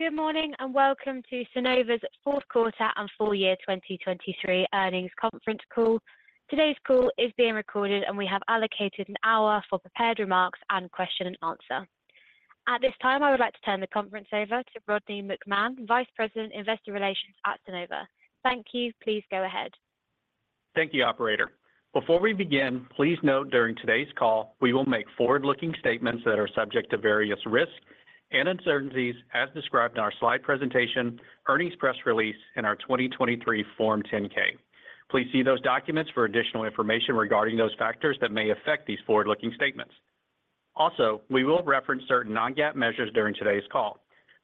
Good morning and welcome to Sunnova's fourth quarter and full year 2023 earnings conference call. Today's call is being recorded and we have allocated an hour for prepared remarks and question and answer. At this time, I would like to turn the conference over to Rodney McMahan, Vice President Investor Relations at Sunnova. Thank you, please go ahead. Thank you, Operator. Before we begin, please note during today's call we will make forward-looking statements that are subject to various risks and uncertainties as described in our slide presentation, earnings press release, and our 2023 Form 10-K. Please see those documents for additional information regarding those factors that may affect these forward-looking statements. Also, we will reference certain non-GAAP measures during today's call.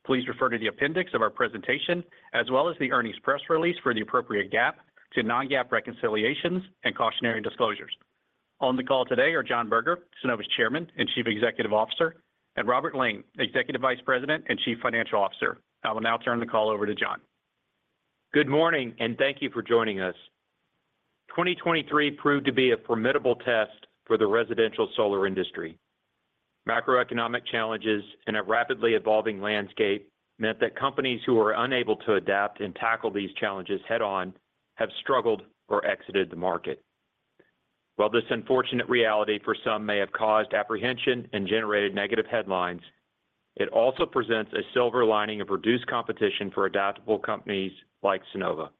Please refer to the appendix of our presentation as well as the earnings press release for the appropriate GAAP to non-GAAP reconciliations and cautionary disclosures. On the call today are John Berger, Sunnova's Chairman and Chief Executive Officer, and Robert Lane, Executive Vice President and Chief Financial Officer. I will now turn the call over to John. Good morning and thank you for joining us. 2023 proved to be a formidable test for the residential solar industry. Macroeconomic challenges and a rapidly evolving landscape meant that companies who were unable to adapt and tackle these challenges head-on have struggled or exited the market. While this unfortunate reality for some may have caused apprehension and generated negative headlines, it also presents a silver lining of reduced competition for adaptable companies like Sunnova.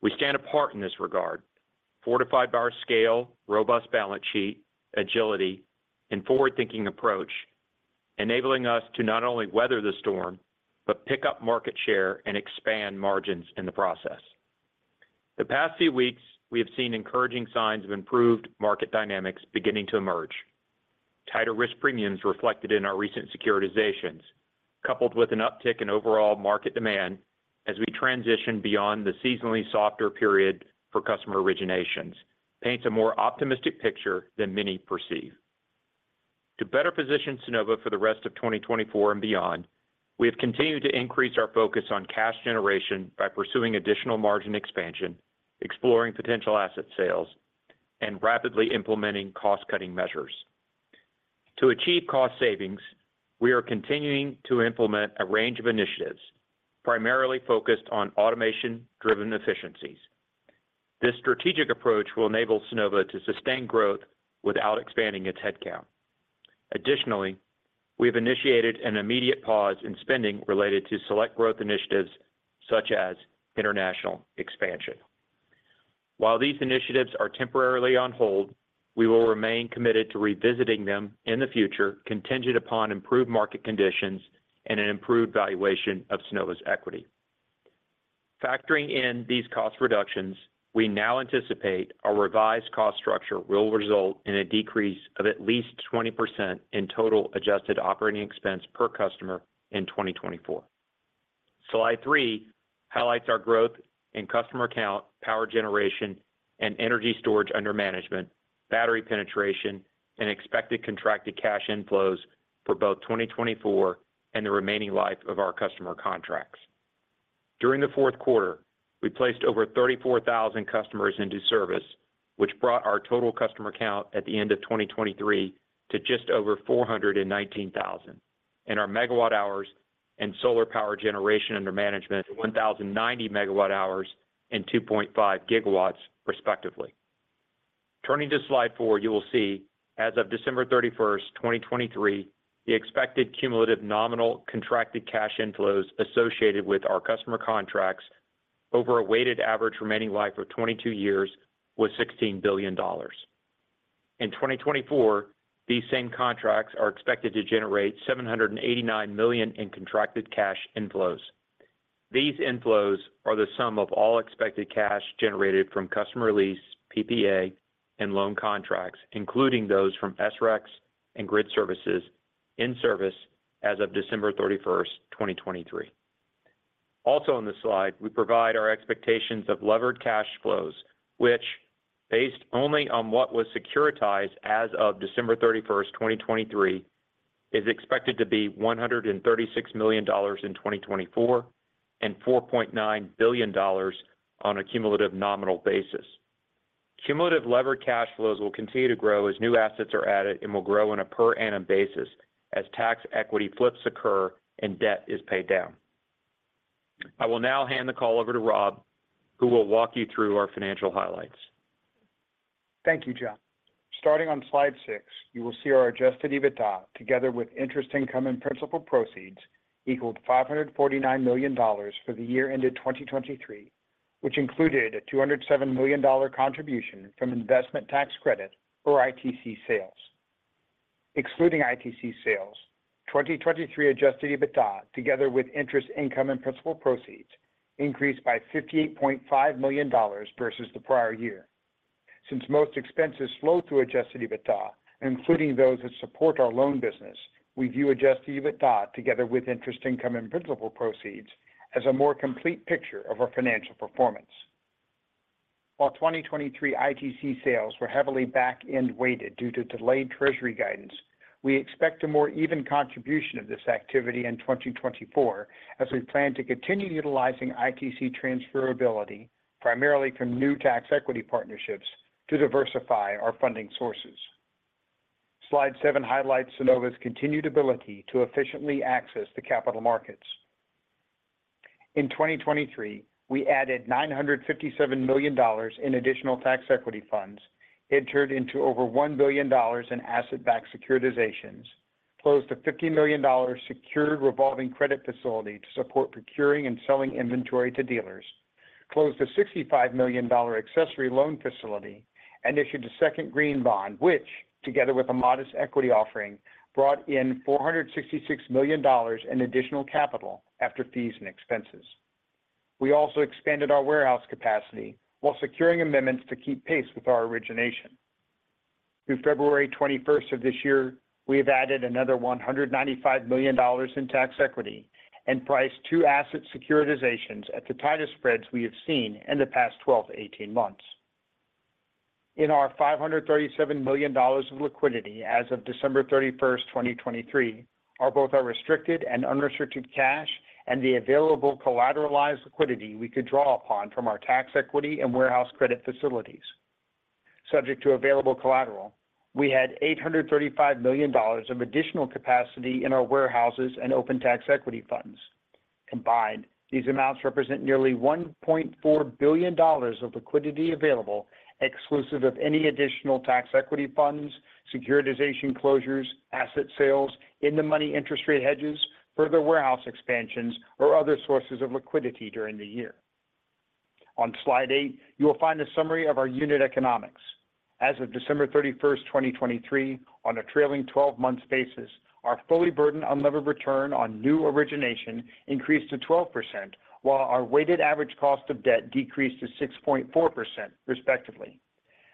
We stand apart in this regard, fortified by our scale, robust balance sheet, agility, and forward-thinking approach, enabling us to not only weather the storm but pick up market share and expand margins in the process. The past few weeks, we have seen encouraging signs of improved market dynamics beginning to emerge. Tighter risk premiums reflected in our recent securitizations, coupled with an uptick in overall market demand as we transition beyond the seasonally softer period for customer originations, paints a more optimistic picture than many perceive. To better position Sunnova for the rest of 2024 and beyond, we have continued to increase our focus on cash generation by pursuing additional margin expansion, exploring potential asset sales, and rapidly implementing cost-cutting measures. To achieve cost savings, we are continuing to implement a range of initiatives, primarily focused on automation-driven efficiencies. This strategic approach will enable Sunnova to sustain growth without expanding its headcount. Additionally, we have initiated an immediate pause in spending related to select growth initiatives such as international expansion. While these initiatives are temporarily on hold, we will remain committed to revisiting them in the future, contingent upon improved market conditions and an improved valuation of Sunnova's equity. Factoring in these cost reductions, we now anticipate a revised cost structure will result in a decrease of at least 20% in total adjusted operating expense per customer in 2024. Slide 3 highlights our growth in customer count, power generation, and energy storage under management, battery penetration, and expected contracted cash inflows for both 2024 and the remaining life of our customer contracts. During the fourth quarter, we placed over 34,000 customers into service, which brought our total customer count at the end of 2023 to just over 419,000, and our megawatt hours and solar power generation under management to 1,090 megawatt hours and 2.5 gigawatts, respectively. Turning to Slide 4, you will see, as of December 31st, 2023, the expected cumulative nominal contracted cash inflows associated with our customer contracts over a weighted average remaining life of 22 years was $16 billion. In 2024, these same contracts are expected to generate $789 million in contracted cash inflows. These inflows are the sum of all expected cash generated from customer lease, PPA, and loan contracts, including those from SREC and grid services in service as of December 31st, 2023. Also on this slide, we provide our expectations of levered cash flows, which, based only on what was securitized as of December 31st, 2023, is expected to be $136 million in 2024 and $4.9 billion on a cumulative nominal basis. Cumulative levered cash flows will continue to grow as new assets are added and will grow on a per-annum basis as tax equity flips occur and debt is paid down. I will now hand the call over to Rob, who will walk you through our financial highlights. Thank you, John. Starting on Slide 6, you will see our Adjusted EBITDA together with interest income and principal proceeds equaled $549 million for the year ended 2023, which included a $207 million contribution from Investment Tax Credit or ITC sales. Excluding ITC sales, 2023 Adjusted EBITDA together with interest income and principal proceeds increased by $58.5 million versus the prior year. Since most expenses flow through Adjusted EBITDA, including those that support our loan business, we view Adjusted EBITDA together with interest income and principal proceeds as a more complete picture of our financial performance. While 2023 ITC sales were heavily back-end weighted due to delayed Treasury guidance, we expect a more even contribution of this activity in 2024 as we plan to continue utilizing ITC Transferability, primarily from new Tax Equity partnerships, to diversify our funding sources. Slide 7 highlights Sunnova's continued ability to efficiently access the capital markets. In 2023, we added $957 million in additional tax equity funds, entered into over $1 billion in asset-backed securitizations, closed a $50 million secured revolving credit facility to support procuring and selling inventory to dealers, closed a $65 million accessory loan facility, and issued a second green bond, which, together with a modest equity offering, brought in $466 million in additional capital after fees and expenses. We also expanded our warehouse capacity while securing amendments to keep pace with our origination. Through February 21st of this year, we have added another $195 million in tax equity and priced two asset securitizations at the tightest spreads we have seen in the past 12-18 months. In our $537 million of liquidity as of December 31st, 2023, are both our restricted and unrestricted cash and the available collateralized liquidity we could draw upon from our tax equity and warehouse credit facilities. Subject to available collateral, we had $835 million of additional capacity in our warehouses and open tax equity funds. Combined, these amounts represent nearly $1.4 billion of liquidity available exclusive of any additional tax equity funds, securitization closures, asset sales, in-the-money interest rate hedges, further warehouse expansions, or other sources of liquidity during the year. On slide eight, you will find a summary of our unit economics. As of December 31st, 2023, on a trailing 12-month basis, our fully burdened unlevered return on new origination increased to 12% while our weighted average cost of debt decreased to 6.4%, respectively.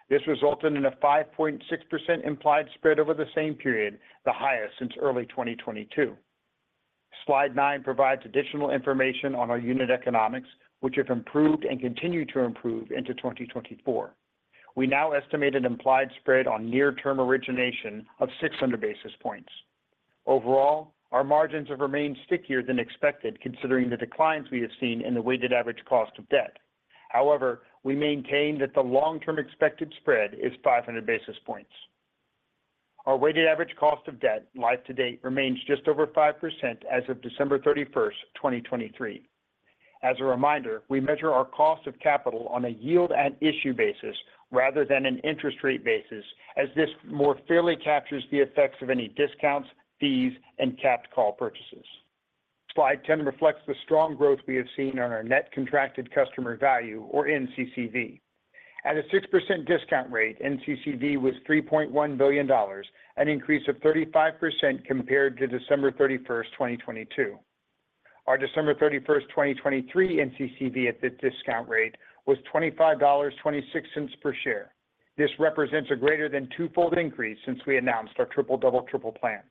This resulted in a 5.6% implied spread over the same period, the highest since early 2022. Slide 9 provides additional information on our unit economics, which have improved and continue to improve into 2024. We now estimate an implied spread on near-term origination of 600 basis points. Overall, our margins have remained stickier than expected considering the declines we have seen in the weighted average cost of debt. However, we maintain that the long-term expected spread is 500 basis points. Our weighted average cost of debt life to date remains just over 5% as of December 31st, 2023. As a reminder, we measure our cost of capital on a yield-at-issue basis rather than an interest rate basis as this more fairly captures the effects of any discounts, fees, and capped call purchases. Slide 10 reflects the strong growth we have seen on our net contracted customer value, or NCCV. At a 6% discount rate, NCCV was $3.1 billion, an increase of 35% compared to December 31st, 2022. Our December 31st, 2023 NCCV at this discount rate was $25.26 per share. This represents a greater than twofold increase since we announced our Triple-Double-Triple plan.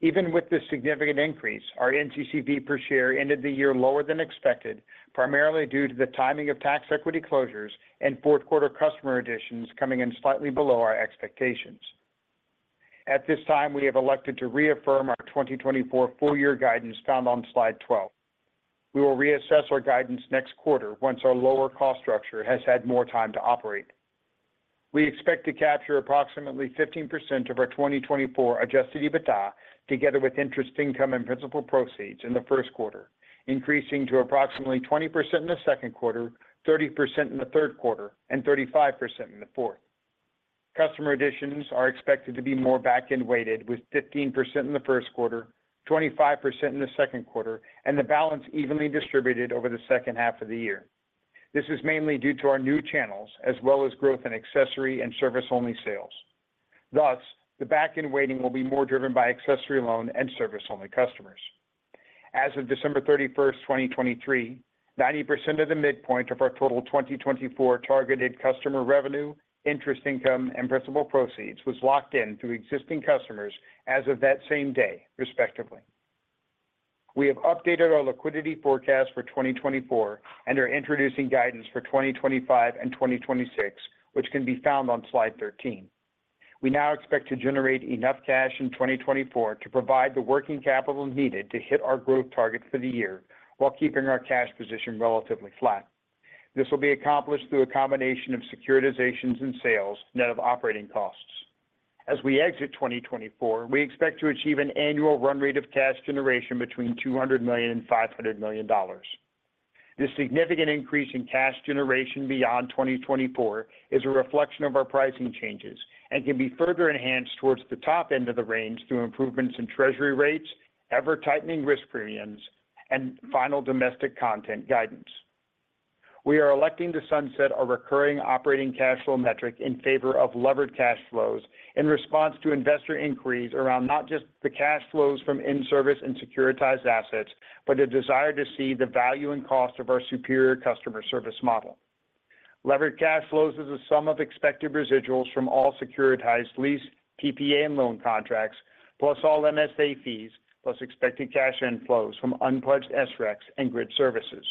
Even with this significant increase, our NCCV per share ended the year lower than expected, primarily due to the timing of tax equity closures and fourth-quarter customer additions coming in slightly below our expectations. At this time, we have elected to reaffirm our 2024 full year guidance found on Slide 12. We will reassess our guidance next quarter once our lower cost structure has had more time to operate. We expect to capture approximately 15% of our 2024 Adjusted EBITDA together with interest income and principal proceeds in the first quarter, increasing to approximately 20% in the second quarter, 30% in the third quarter, and 35% in the fourth. Customer additions are expected to be more back-end weighted with 15% in the first quarter, 25% in the second quarter, and the balance evenly distributed over the second half of the year. This is mainly due to our new channels as well as growth in accessory and service-only sales. Thus, the back-end weighting will be more driven by accessory loan and service-only customers. As of December 31st, 2023, 90% of the midpoint of our total 2024 targeted customer revenue, interest income, and principal proceeds was locked in through existing customers as of that same day, respectively. We have updated our liquidity forecast for 2024 and are introducing guidance for 2025 and 2026, which can be found on Slide 13. We now expect to generate enough cash in 2024 to provide the working capital needed to hit our growth target for the year while keeping our cash position relatively flat. This will be accomplished through a combination of securitizations and sales net of operating costs. As we exit 2024, we expect to achieve an annual run rate of cash generation between $200 million and $500 million. This significant increase in cash generation beyond 2024 is a reflection of our pricing changes and can be further enhanced towards the top end of the range through improvements in treasury rates, ever-tightening risk premiums, and final domestic content guidance. We are electing to sunset our recurring operating cash flow metric in favor of levered cash flows in response to investor inquiries around not just the cash flows from in-service and securitized assets, but a desire to see the value and cost of our superior customer service model. Levered cash flows is the sum of expected residuals from all securitized lease, PPA, and loan contracts, plus all MSA fees, plus expected cash inflows from unpledged SREC and grid services.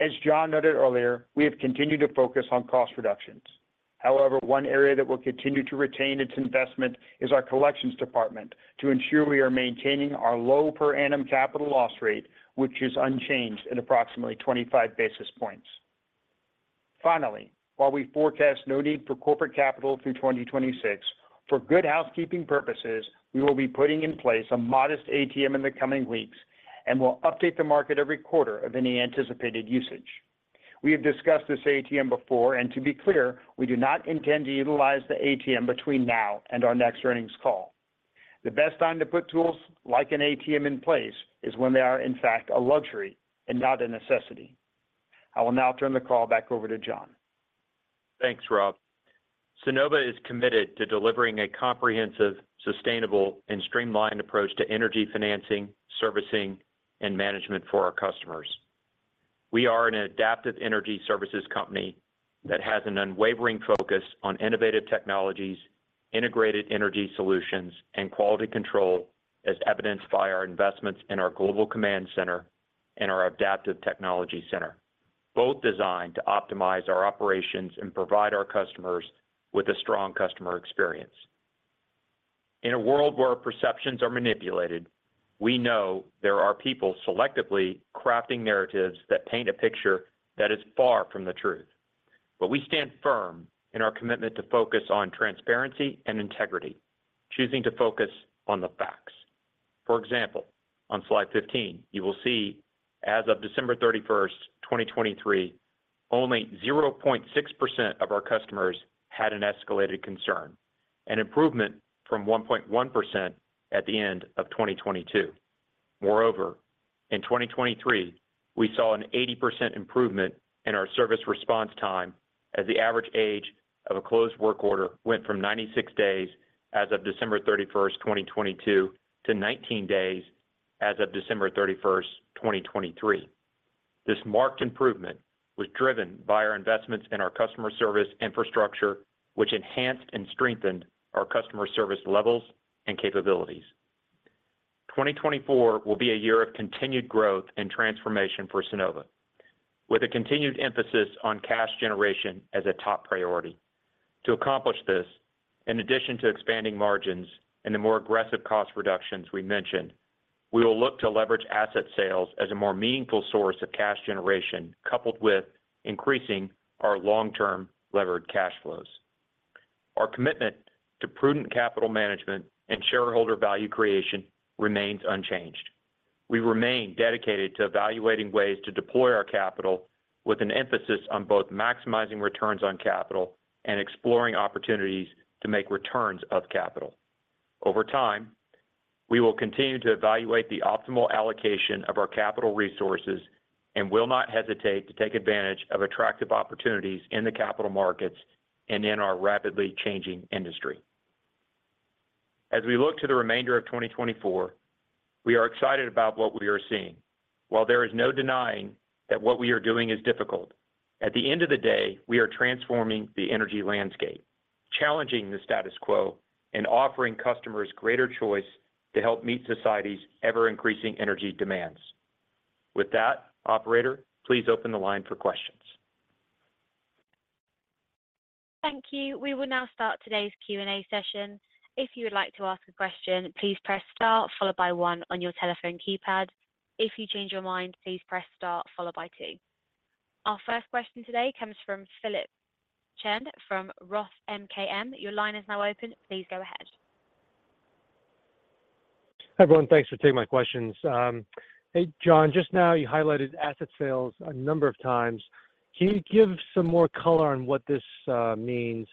As John noted earlier, we have continued to focus on cost reductions. However, one area that will continue to retain its investment is our collections department to ensure we are maintaining our low per annum capital loss rate, which is unchanged at approximately 25 basis points. Finally, while we forecast no need for corporate capital through 2026, for good housekeeping purposes, we will be putting in place a modest ATM in the coming weeks and will update the market every quarter of any anticipated usage. We have discussed this ATM before, and to be clear, we do not intend to utilize the ATM between now and our next earnings call. The best time to put tools like an ATM in place is when they are, in fact, a luxury and not a necessity. I will now turn the call back over to John. Thanks, Rob. Sunnova is committed to delivering a comprehensive, sustainable, and streamlined approach to energy financing, servicing, and management for our customers. We are an adaptive energy services company that has an unwavering focus on innovative technologies, integrated energy solutions, and quality control, as evidenced by our investments in our global command center and our adaptive technology center, both designed to optimize our operations and provide our customers with a strong customer experience. In a world where perceptions are manipulated, we know there are people selectively crafting narratives that paint a picture that is far from the truth. But we stand firm in our commitment to focus on transparency and integrity, choosing to focus on the facts. For example, on Slide 15, you will see, as of December 31st, 2023, only 0.6% of our customers had an escalated concern, an improvement from 1.1% at the end of 2022. Moreover, in 2023, we saw an 80% improvement in our service response time as the average age of a closed work order went from 96 days as of December 31st, 2022, to 19 days as of December 31st, 2023. This marked improvement was driven by our investments in our customer service infrastructure, which enhanced and strengthened our customer service levels and capabilities. 2024 will be a year of continued growth and transformation for Sunnova, with a continued emphasis on cash generation as a top priority. To accomplish this, in addition to expanding margins and the more aggressive cost reductions we mentioned, we will look to leverage asset sales as a more meaningful source of cash generation coupled with increasing our long-term levered cash flows. Our commitment to prudent capital management and shareholder value creation remains unchanged. We remain dedicated to evaluating ways to deploy our capital with an emphasis on both maximizing returns on capital and exploring opportunities to make returns of capital. Over time, we will continue to evaluate the optimal allocation of our capital resources and will not hesitate to take advantage of attractive opportunities in the capital markets and in our rapidly changing industry. As we look to the remainder of 2024, we are excited about what we are seeing. While there is no denying that what we are doing is difficult, at the end of the day, we are transforming the energy landscape, challenging the status quo, and offering customers greater choice to help meet society's ever-increasing energy demands. With that, operator, please open the line for questions. Thank you. We will now start today's Q&A session. If you would like to ask a question, please press star followed by one on your telephone keypad. If you change your mind, please press star followed by two. Our first question today comes from Philip Shen from Roth MKM. Your line is now open. Please go ahead. Hi everyone. Thanks for taking my questions. Hey John, just now you highlighted asset sales a number of times. Can you give some more color on what this means?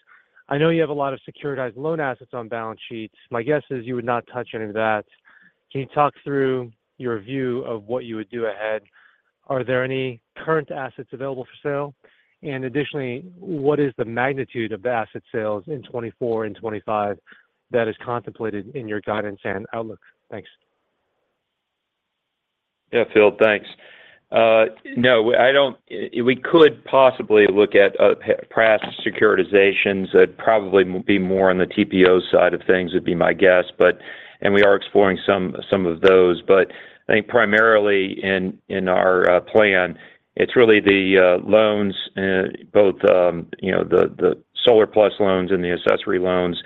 I know you have a lot of securitized loan assets on balance sheets. My guess is you would not touch any of that. Can you talk through your view of what you would do ahead? Are there any current assets available for sale? And additionally, what is the magnitude of the asset sales in 2024 and 2025 that is contemplated in your guidance and outlook? Thanks. Yeah, Phil, thanks. No, I don't we could possibly look at past securitizations. It'd probably be more on the TPO side of things, would be my guess, but and we are exploring some of those. But I think primarily in our plan, it's really the loans, both the solar plus loans and the accessory loans,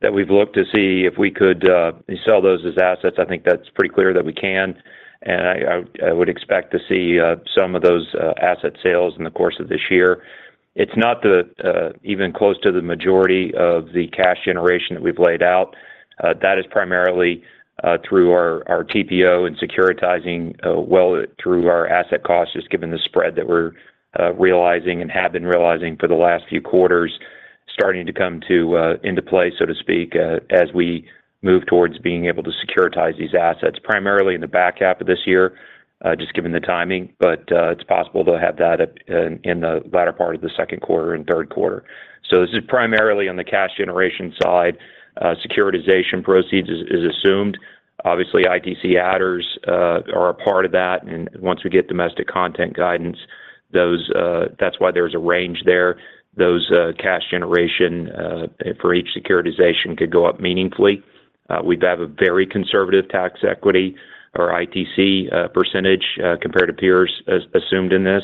that we've looked to see if we could sell those as assets. I think that's pretty clear that we can. And I would expect to see some of those asset sales in the course of this year. It's not even close to the majority of the cash generation that we've laid out. That is primarily through our TPO and securitizing, well, through our asset costs, just given the spread that we're realizing and have been realizing for the last few quarters, starting to come into play, so to speak, as we move towards being able to securitize these assets, primarily in the back half of this year, just given the timing. But it's possible to have that in the latter part of the second quarter and third quarter. So this is primarily on the cash generation side. Securitization proceeds is assumed. Obviously, ITC adders are a part of that. And once we get domestic content guidance, that's why there's a range there. Those cash generation for each securitization could go up meaningfully. We'd have a very conservative tax equity, or ITC, percentage compared to peers assumed in this.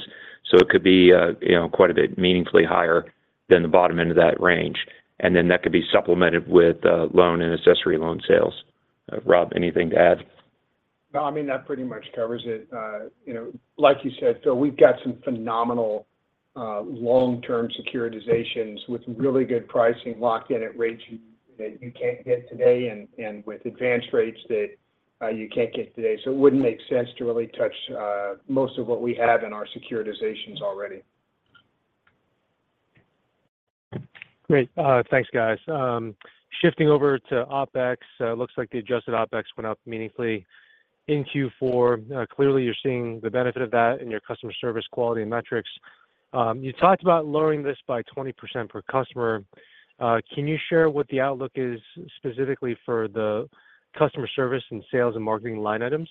So it could be quite a bit meaningfully higher than the bottom end of that range. And then that could be supplemented with loan and accessory loan sales. Rob, anything to add? No, I mean, that pretty much covers it. Like you said, Phil, we've got some phenomenal long-term securitizations with really good pricing locked in at rates that you can't get today and with advanced rates that you can't get today. So it wouldn't make sense to really touch most of what we have in our securitizations already. Great. Thanks, guys. Shifting over to OpEx, it looks like the Adjusted OpEx went up meaningfully in Q4. Clearly, you're seeing the benefit of that in your customer service quality and metrics. You talked about lowering this by 20% per customer. Can you share what the outlook is specifically for the customer service and sales and marketing line items,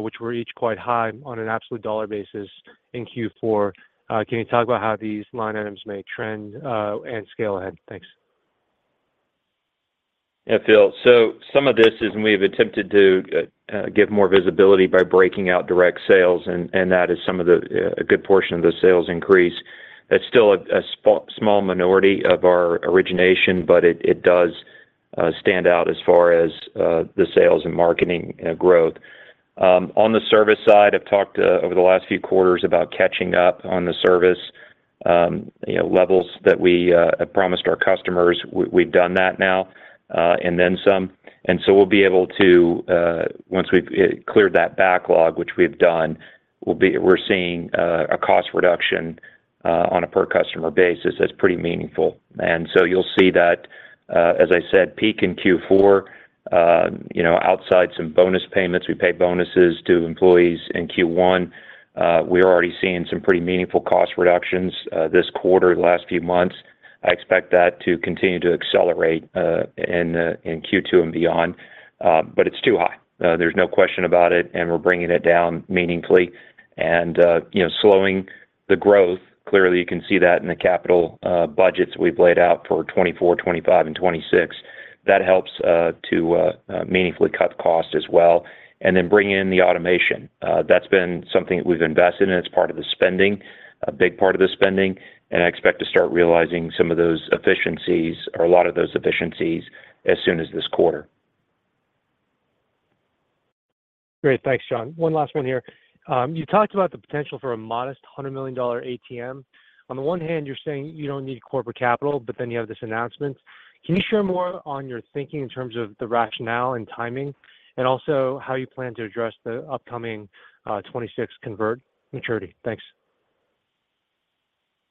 which were each quite high on an absolute dollar basis in Q4? Can you talk about how these line items may trend and scale ahead? Thanks. Yeah, Phil, so some of this is we've attempted to give more visibility by breaking out direct sales, and that is some of the, a good portion of the sales increase. That's still a small minority of our origination, but it does stand out as far as the sales and marketing growth. On the service side, I've talked over the last few quarters about catching up on the service levels that we have promised our customers. We've done that now and then some. And so we'll be able to once we've cleared that backlog, which we've done, we're seeing a cost reduction on a per-customer basis that's pretty meaningful. And so you'll see that, as I said, peak in Q4 outside some bonus payments. We pay bonuses to employees in Q1. We are already seeing some pretty meaningful cost reductions this quarter, the last few months. I expect that to continue to accelerate in Q2 and beyond. But it's too high. There's no question about it, and we're bringing it down meaningfully. And slowing the growth, clearly you can see that in the capital budgets we've laid out for 2024, 2025, and 2026. That helps to meaningfully cut cost as well. And then bringing in the automation. That's been something that we've invested in. It's part of the spending, a big part of the spending. And I expect to start realizing some of those efficiencies or a lot of those efficiencies as soon as this quarter. Great. Thanks, John. One last one here. You talked about the potential for a modest $100 million ATM. On the one hand, you're saying you don't need corporate capital, but then you have this announcement. Can you share more on your thinking in terms of the rationale and timing, and also how you plan to address the upcoming 2026 convert maturity? Thanks.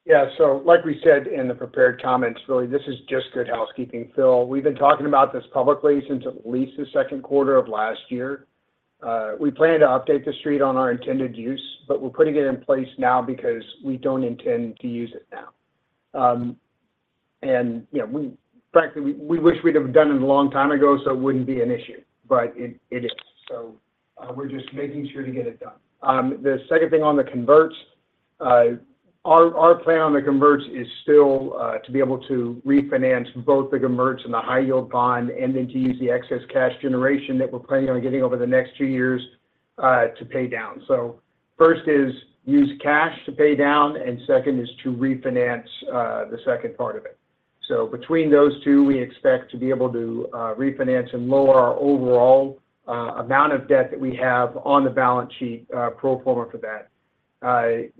Yeah. So like we said in the prepared comments, really, this is just good housekeeping, Phil. We've been talking about this publicly since at least the second quarter of last year. We plan to update the street on our intended use, but we're putting it in place now because we don't intend to use it now. And frankly, we wish we'd have done it a long time ago, so it wouldn't be an issue. But it is. So we're just making sure to get it done. The second thing on the converts, our plan on the converts is still to be able to refinance both the converts and the high-yield bond and then to use the excess cash generation that we're planning on getting over the next two years to pay down. So first is use cash to pay down, and second is to refinance the second part of it. So between those two, we expect to be able to refinance and lower our overall amount of debt that we have on the balance sheet pro forma for that. I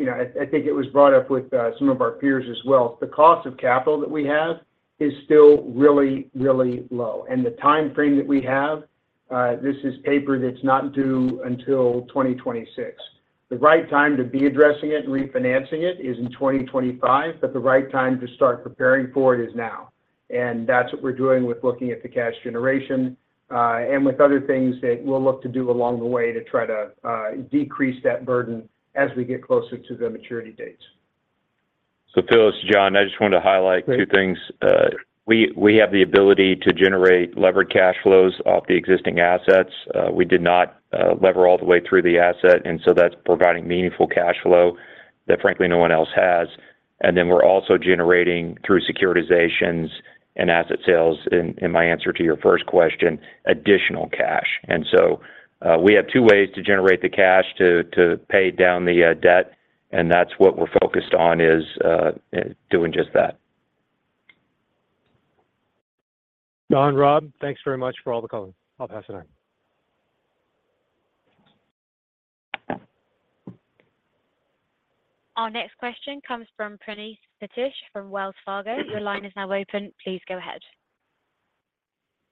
think it was brought up with some of our peers as well. The cost of capital that we have is still really, really low. And the time frame that we have, this is paper that's not due until 2026. The right time to be addressing it and refinancing it is in 2025, but the right time to start preparing for it is now. And that's what we're doing with looking at the cash generation and with other things that we'll look to do along the way to try to decrease that burden as we get closer to the maturity dates. So Phil, this is John. I just wanted to highlight two things. We have the ability to generate levered cash flows off the existing assets. We did not lever all the way through the asset, and so that's providing meaningful cash flow that frankly no one else has. And then we're also generating through securitizations and asset sales, in my answer to your first question, additional cash. And so we have two ways to generate the cash to pay down the debt, and that's what we're focused on is doing just that. John, Rob, thanks very much for all the calling. I'll pass it on. Our next question comes from Praneeth Satish from Wells Fargo. Your line is now open. Please go ahead.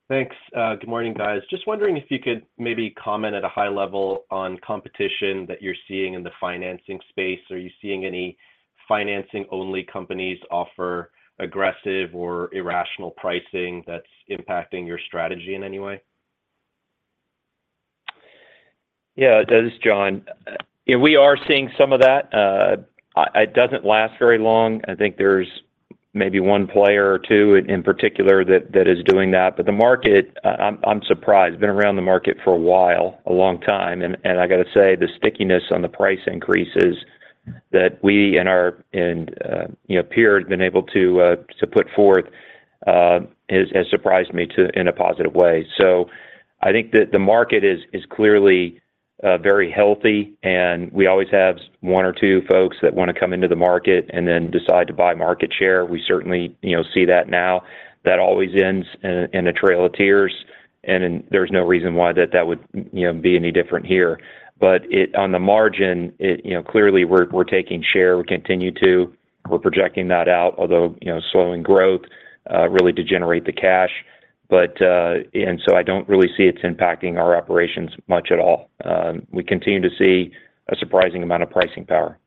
Thanks. Good morning, guys. Just wondering if you could maybe comment at a high level on competition that you're seeing in the financing space. Are you seeing any financing-only companies offer aggressive or irrational pricing that's impacting your strategy in any way? Yeah, it's John. We are seeing some of that. It doesn't last very long. I think there's maybe one player or two in particular that is doing that. But the market, I'm surprised. I've been around the market for a while, a long time. And I got to say, the stickiness on the price increases that we and our peer have been able to put forth has surprised me in a positive way. So I think that the market is clearly very healthy, and we always have one or two folks that want to come into the market and then decide to buy market share. We certainly see that now. That always ends in a trail of tears, and there's no reason why that would be any different here. But on the margin, clearly we're taking share. We continue to. We're projecting that out, although slowing growth really degenerates the cash. And so I don't really see it's impacting our operations much at all. We continue to see a surprising amount of pricing power.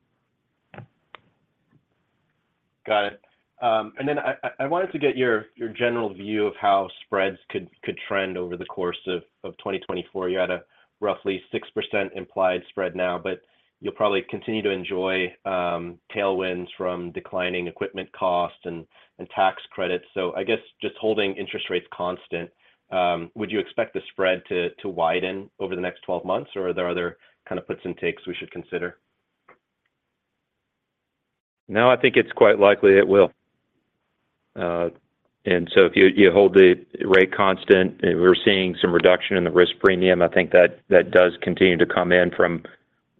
Got it. And then I wanted to get your general view of how spreads could trend over the course of 2024. You had a roughly 6% implied spread now, but you'll probably continue to enjoy tailwinds from declining equipment costs and tax credits. So I guess just holding interest rates constant, would you expect the spread to widen over the next 12 months, or are there other kind of puts and takes we should consider? No, I think it's quite likely it will. And so if you hold the rate constant, we're seeing some reduction in the risk premium. I think that does continue to come in from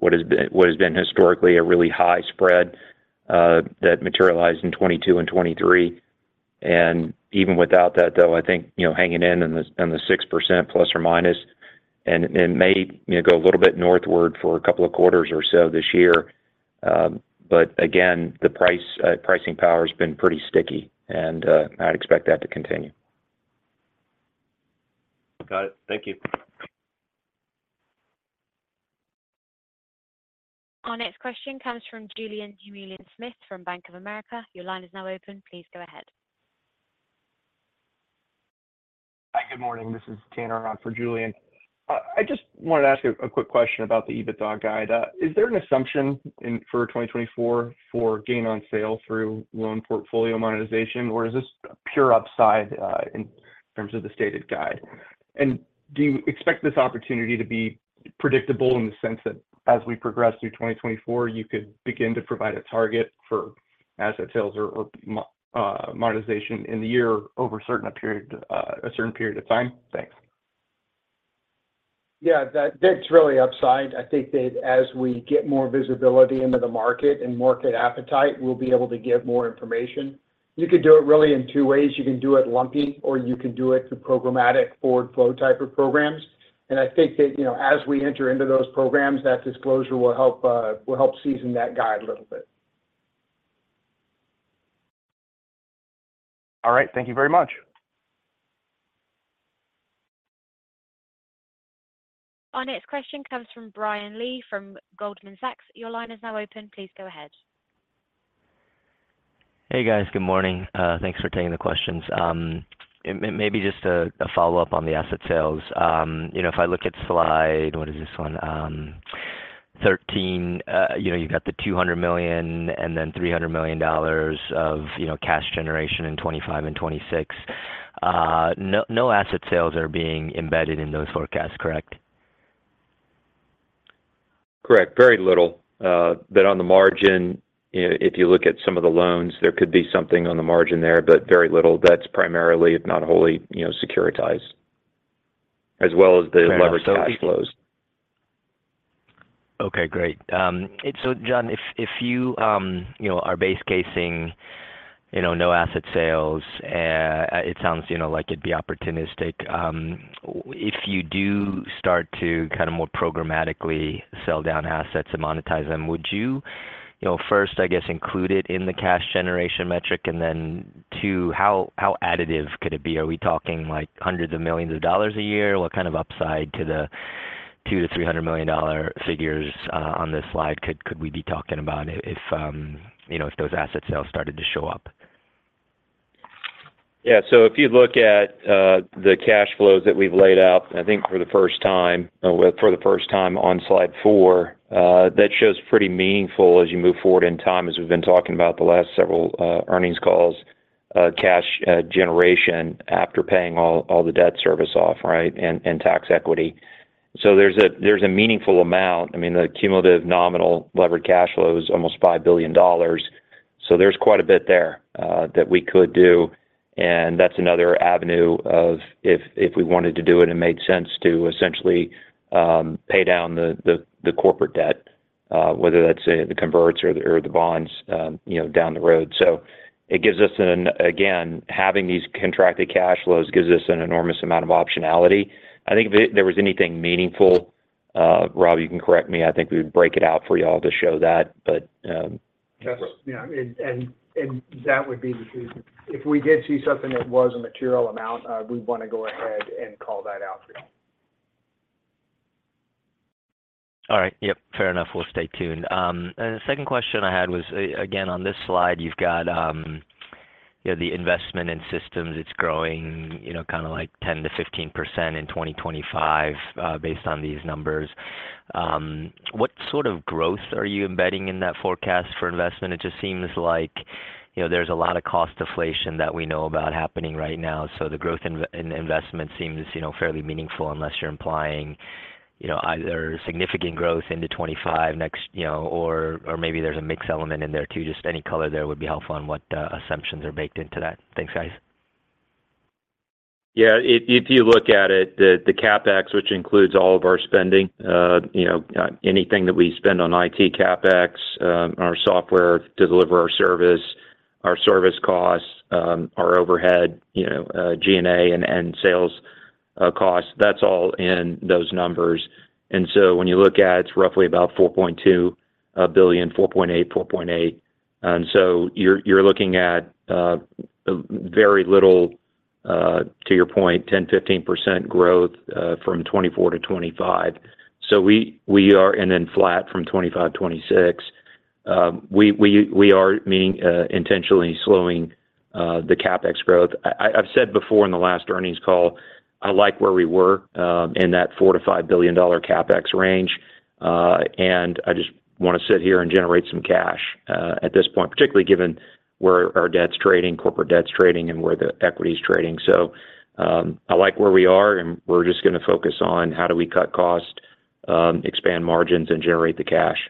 what has been historically a really high spread that materialized in 2022 and 2023. And even without that, though, I think hanging in on the 6% ±, and it may go a little bit northward for a couple of quarters or so this year. But again, the pricing power has been pretty sticky, and I'd expect that to continue. Got it. Thank you. Our next question comes from Julien Dumoulin-Smith from Bank of America. Your line is now open. Please go ahead. Hi, good morning. This is Tanner for Julian. I just wanted to ask a quick question about the EBITDA guide. Is there an assumption for 2024 for gain on sale through loan portfolio monetization, or is this pure upside in terms of the stated guide? And do you expect this opportunity to be predictable in the sense that as we progress through 2024, you could begin to provide a target for asset sales or monetization in the year over a certain period of time? Thanks. Yeah, that's really upside. I think that as we get more visibility into the market and market appetite, we'll be able to give more information. You could do it really in two ways. You can do it lumpy, or you can do it through programmatic forward flow type of programs. I think that as we enter into those programs, that disclosure will help season that guide a little bit. All right. Thank you very much. Our next question comes from Brian Lee from Goldman Sachs. Your line is now open. Please go ahead. Hey, guys. Good morning. Thanks for taking the questions. Maybe just a follow-up on the asset sales. If I look at slide what is this one? 13, you've got the $200 million and then $300 million of cash generation in 2025 and 2026. No asset sales are being embedded in those forecasts, correct? Correct. Very little. But on the margin, if you look at some of the loans, there could be something on the margin there, but very little. That's primarily, if not wholly, securitized, as well as the levered cash flows. Okay. Great. So, John, if you are base casing no asset sales, it sounds like it'd be opportunistic. If you do start to kind of more programmatically sell down assets and monetize them, would you first, I guess, include it in the cash generation metric? And then, two, how additive could it be? Are we talking $hundreds of millions a year? What kind of upside to the $200 million-$300 million figures on this slide could we be talking about if those asset sales started to show up? Yeah. So if you look at the cash flows that we've laid out, I think for the first time for the first time on Slide 4, that shows pretty meaningful as you move forward in time, as we've been talking about the last several earnings calls, cash generation after paying all the debt service off, right, and tax equity. So there's a meaningful amount. I mean, the cumulative nominal levered cash flow is almost $5 billion. So there's quite a bit there that we could do. And that's another avenue of if we wanted to do it and made sense to essentially pay down the corporate debt, whether that's the converts or the bonds down the road. So it gives us an again, having these contracted cash flows gives us an enormous amount of optionality. I think if there was anything meaningful Rob, you can correct me. I think we would break it out for y'all to show that, but. Yeah. That would be the truth. If we did see something that was a material amount, we'd want to go ahead and call that out for y'all. All right. Yep. Fair enough. We'll stay tuned. The second question I had was, again, on this slide, you've got the investment in systems. It's growing kind of like 10%-15% in 2025 based on these numbers. What sort of growth are you embedding in that forecast for investment? It just seems like there's a lot of cost inflation that we know about happening right now. So the growth in investment seems fairly meaningful unless you're implying either significant growth into 2025 or maybe there's a mixed element in there too. Just any color there would be helpful on what assumptions are baked into that. Thanks, guys. Yeah. If you look at it, the CapEx, which includes all of our spending, anything that we spend on IT CapEx, our software to deliver our service, our service costs, our overhead, G&A, and sales costs, that's all in those numbers. And so when you look at it, it's roughly about $4.2 billion-$4.8 billion. And so you're looking at very little, to your point, 10%-15% growth from 2024 to 2025. So we are and then flat from 2025-2026. We are intentionally slowing the CapEx growth. I've said before in the last earnings call, I like where we were in that $4 billion-$5 billion CapEx range. And I just want to sit here and generate some cash at this point, particularly given where our debt's trading, corporate debt's trading, and where the equity's trading. I like where we are, and we're just going to focus on how do we cut cost, expand margins, and generate the cash.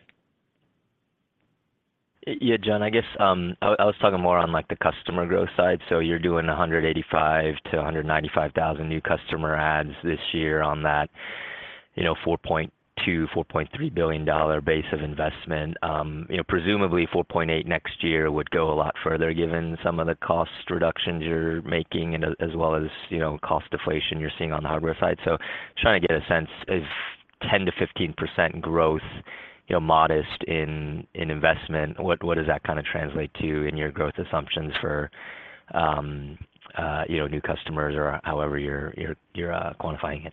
Yeah, John, I guess I was talking more on the customer growth side. So you're doing 185-195 thousand new customer adds this year on that $4.2 billion-$4.3 billion base of investment. Presumably, $4.8 next year would go a lot further given some of the cost reductions you're making as well as cost inflation you're seeing on the hardware side. So trying to get a sense, if 10%-15% growth, modest in investment, what does that kind of translate to in your growth assumptions for new customers or however you're quantifying it?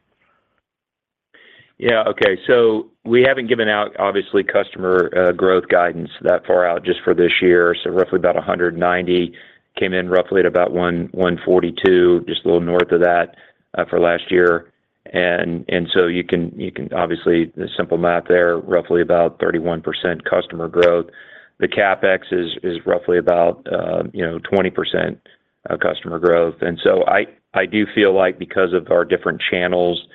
Yeah. Okay. So we haven't given out, obviously, customer growth guidance that far out just for this year. So roughly about 190 came in roughly at about 142, just a little north of that for last year. And so you can obviously, the simple math there, roughly about 31% customer growth. The CapEx is roughly about 20% customer growth. And so I do feel like because of our different channels,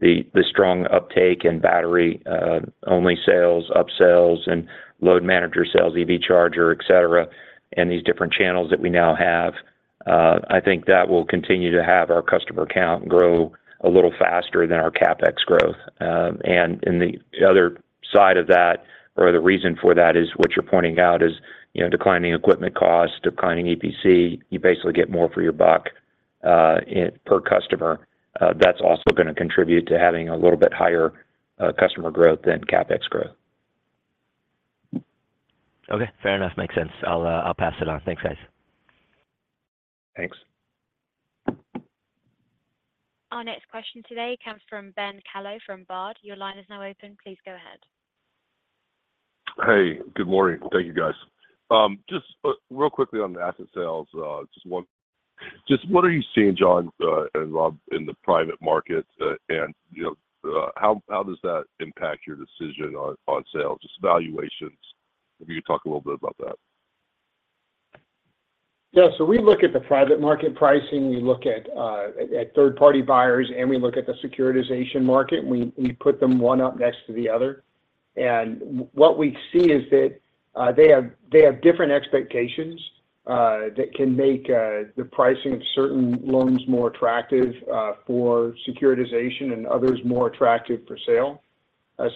the strong uptake in battery-only sales, upsales, and load manager sales, EV charger, etc. And these different channels that we now have, I think that will continue to have our customer count grow a little faster than our CapEx growth. And the other side of that or the reason for that is what you're pointing out is declining equipment cost, declining EPC. You basically get more for your buck per customer. That's also going to contribute to having a little bit higher customer growth than CapEx growth. Okay. Fair enough. Makes sense. I'll pass it on. Thanks, guys. Thanks. Our next question today comes from Ben Kallo from Baird. Your line is now open. Please go ahead. Hey. Good morning. Thank you, guys. Just real quickly on the asset sales, just one. Just what are you seeing, John and Rob, in the private market? And how does that impact your decision on sales? Just valuations. Maybe you could talk a little bit about that. Yeah. So we look at the private market pricing. We look at third-party buyers, and we look at the securitization market. We put them one up next to the other. And what we see is that they have different expectations that can make the pricing of certain loans more attractive for securitization and others more attractive for sale.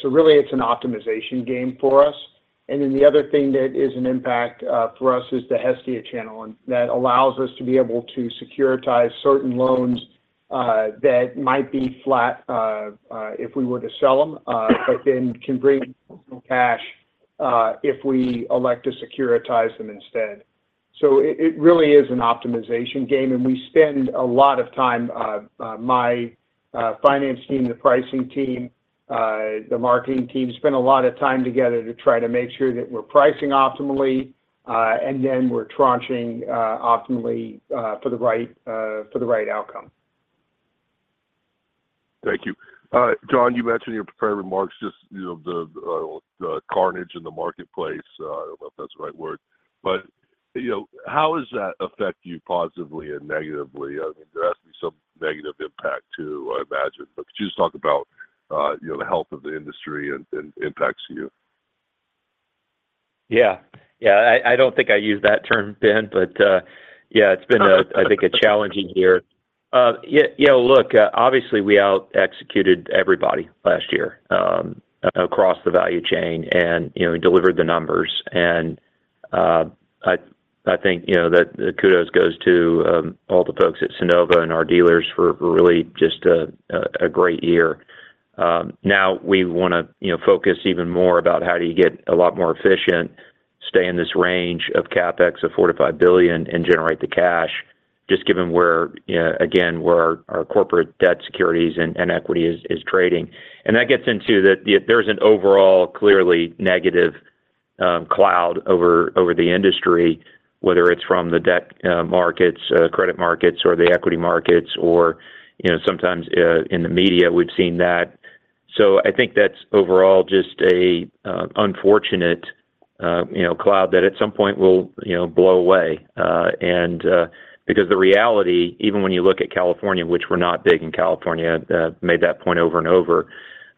So really, it's an optimization game for us. And then the other thing that is an impact for us is the Hestia channel. That allows us to be able to securitize certain loans that might be flat if we were to sell them, but then can bring additional cash if we elect to securitize them instead. So it really is an optimization game. We spend a lot of time, my finance team, the pricing team, the marketing team, spend a lot of time together to try to make sure that we're pricing optimally, and then we're tranching optimally for the right outcome. Thank you. John, you mentioned in your prepared remarks just the carnage in the marketplace. I don't know if that's the right word. But how does that affect you positively and negatively? I mean, there has to be some negative impact too, I imagine. But could you just talk about the health of the industry and impacts to you? Yeah. Yeah. I don't think I use that term, Ben, but yeah, it's been, I think, a challenging year. Look, obviously, we out-executed everybody last year across the value chain, and we delivered the numbers. And I think that the kudos goes to all the folks at Sunnova and our dealers for really just a great year. Now, we want to focus even more about how do you get a lot more efficient, stay in this range of CapEx of $4 billion-$5 billion, and generate the cash, just given where, again, where our corporate debt securities and equity is trading. And that gets into that there's an overall, clearly negative cloud over the industry, whether it's from the debt markets, credit markets, or the equity markets, or sometimes in the media, we've seen that. So I think that's overall just an unfortunate cloud that at some point will blow away. And because the reality, even when you look at California, which we're not big in California, made that point over and over.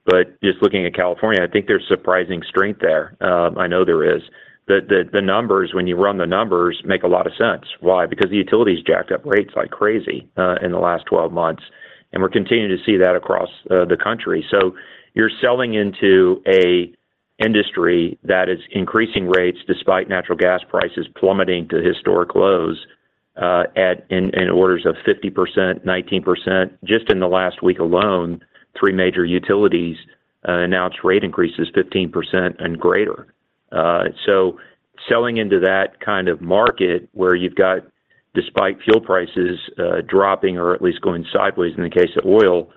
But just looking at California, I think there's surprising strength there. I know there is. The numbers, when you run the numbers, make a lot of sense. Why? Because the utilities jacked up rates like crazy in the last 12 months. And we're continuing to see that across the country. So you're selling into an industry that is increasing rates despite natural gas prices plummeting to historic lows in orders of 50%, 19%. Just in the last week alone, three major utilities announced rate increases 15% and greater. So selling into that kind of market where you've got, despite fuel prices dropping or at least going sideways in the case of oil,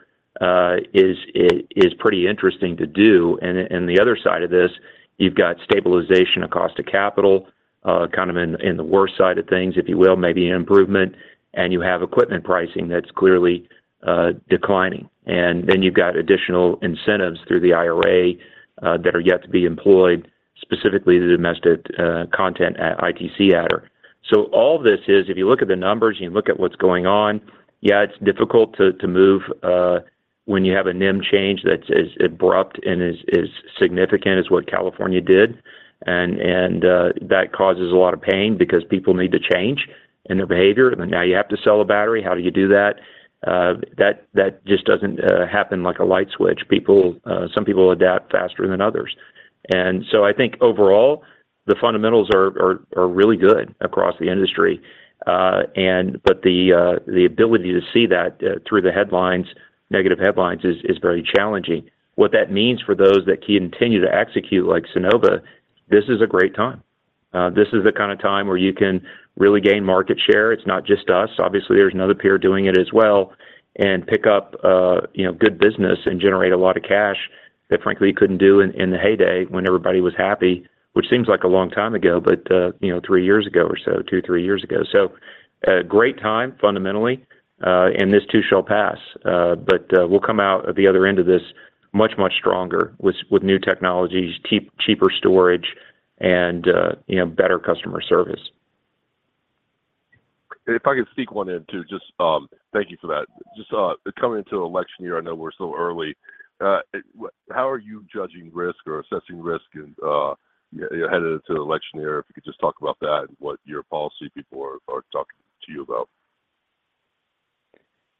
is pretty interesting to do. And the other side of this, you've got stabilization of cost of capital, kind of in the worst side of things, if you will, maybe an improvement. And you have equipment pricing that's clearly declining. And then you've got additional incentives through the IRA that are yet to be employed, specifically the domestic content at ITC Adder. So all of this is, if you look at the numbers, you look at what's going on, yeah, it's difficult to move when you have a name change that's as abrupt and as significant as what California did. And that causes a lot of pain because people need to change in their behavior. And now you have to sell a battery. How do you do that? That just doesn't happen like a light switch. Some people adapt faster than others. And so I think overall, the fundamentals are really good across the industry. But the ability to see that through the headlines, negative headlines, is very challenging. What that means for those that continue to execute like Sunnova, this is a great time. This is the kind of time where you can really gain market share. It's not just us. Obviously, there's another peer doing it as well and pick up good business and generate a lot of cash that, frankly, you couldn't do in the heyday when everybody was happy, which seems like a long time ago, but three years ago or so, two, three years ago. So a great time, fundamentally. And this too shall pass. We'll come out at the other end of this much, much stronger with new technologies, cheaper storage, and better customer service. If I could sneak one in too, just thank you for that. Just coming into election year, I know we're so early. How are you judging risk or assessing risk headed into election year? If you could just talk about that and what your policy people are talking to you about?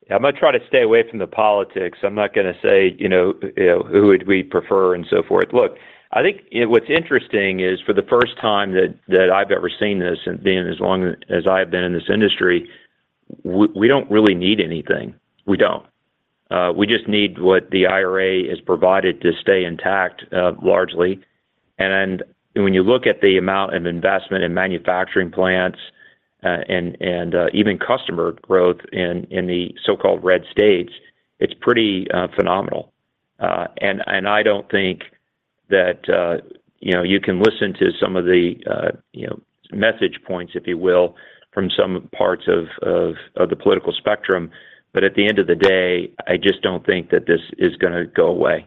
Yeah. I'm going to try to stay away from the politics. I'm not going to say who would we prefer and so forth. Look, I think what's interesting is for the first time that I've ever seen this and being as long as I have been in this industry, we don't really need anything. We don't. We just need what the IRA has provided to stay intact, largely. And when you look at the amount of investment in manufacturing plants and even customer growth in the so-called red states, it's pretty phenomenal. And I don't think that you can listen to some of the message points, if you will, from some parts of the political spectrum. But at the end of the day, I just don't think that this is going to go away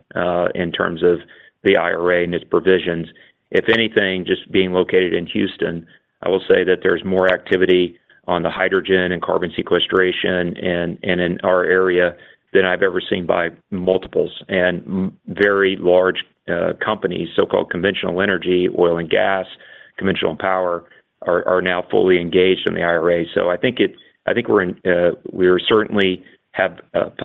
in terms of the IRA and its provisions. If anything, just being located in Houston, I will say that there's more activity on the hydrogen and carbon sequestration in our area than I've ever seen by multiples. Very large companies, so-called conventional energy, oil and gas, conventional power, are now fully engaged in the IRA. I think we certainly have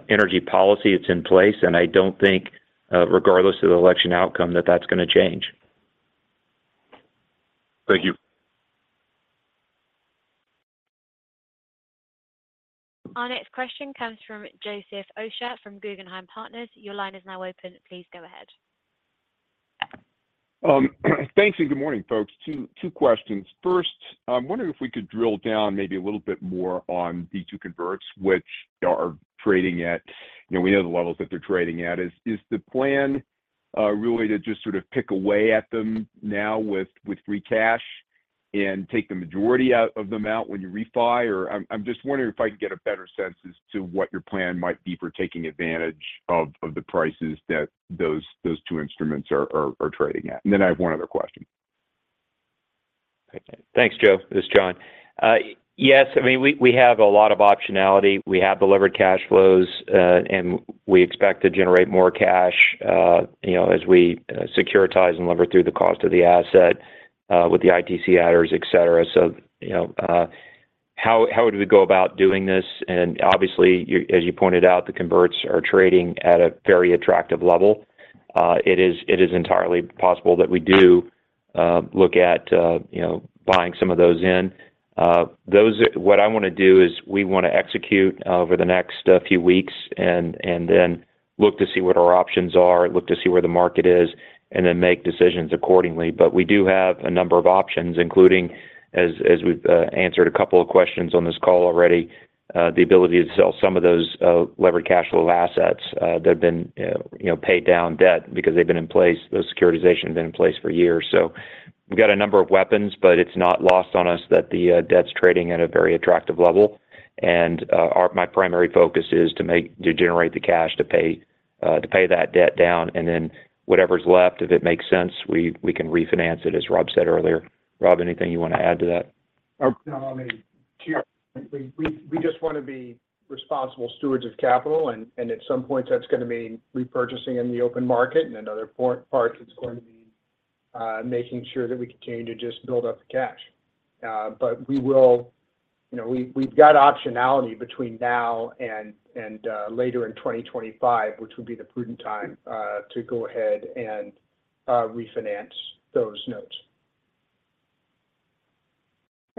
energy policy that's in place. I don't think, regardless of the election outcome, that that's going to change. Thank you. Our next question comes from Joseph Osha from Guggenheim Partners. Your line is now open. Please go ahead. Thanks and good morning, folks. Two questions. First, I'm wondering if we could drill down maybe a little bit more on the two converts, which are trading at, we know, the levels that they're trading at. Is the plan really to just sort of chip away at them now with free cash and take the majority of them out when you refi? Or I'm just wondering if I can get a better sense as to what your plan might be for taking advantage of the prices that those two instruments are trading at. And then I have one other question. Thanks, Joe. This is John. Yes. I mean, we have a lot of optionality. We have delivered cash flows, and we expect to generate more cash as we securitize and leverage through the cost of the asset with the ITC adders, etc. So how would we go about doing this? And obviously, as you pointed out, the converts are trading at a very attractive level. It is entirely possible that we do look at buying some of those in. What I want to do is we want to execute over the next few weeks and then look to see what our options are, look to see where the market is, and then make decisions accordingly. But we do have a number of options, including, as we've answered a couple of questions on this call already, the ability to sell some of those leveraged cash flow assets that have been paid down debt because they've been in place. Those securitizations have been in place for years. So we've got a number of weapons, but it's not lost on us that the debt's trading at a very attractive level. And my primary focus is to generate the cash to pay that debt down. And then whatever's left, if it makes sense, we can refinance it, as Rob said earlier. Rob, anything you want to add to that? No. I mean, we just want to be responsible stewards of capital. At some point, that's going to mean repurchasing in the open market. Another part, it's going to be making sure that we continue to just build up the cash. But we've got optionality between now and later in 2025, which would be the prudent time to go ahead and refinance those notes.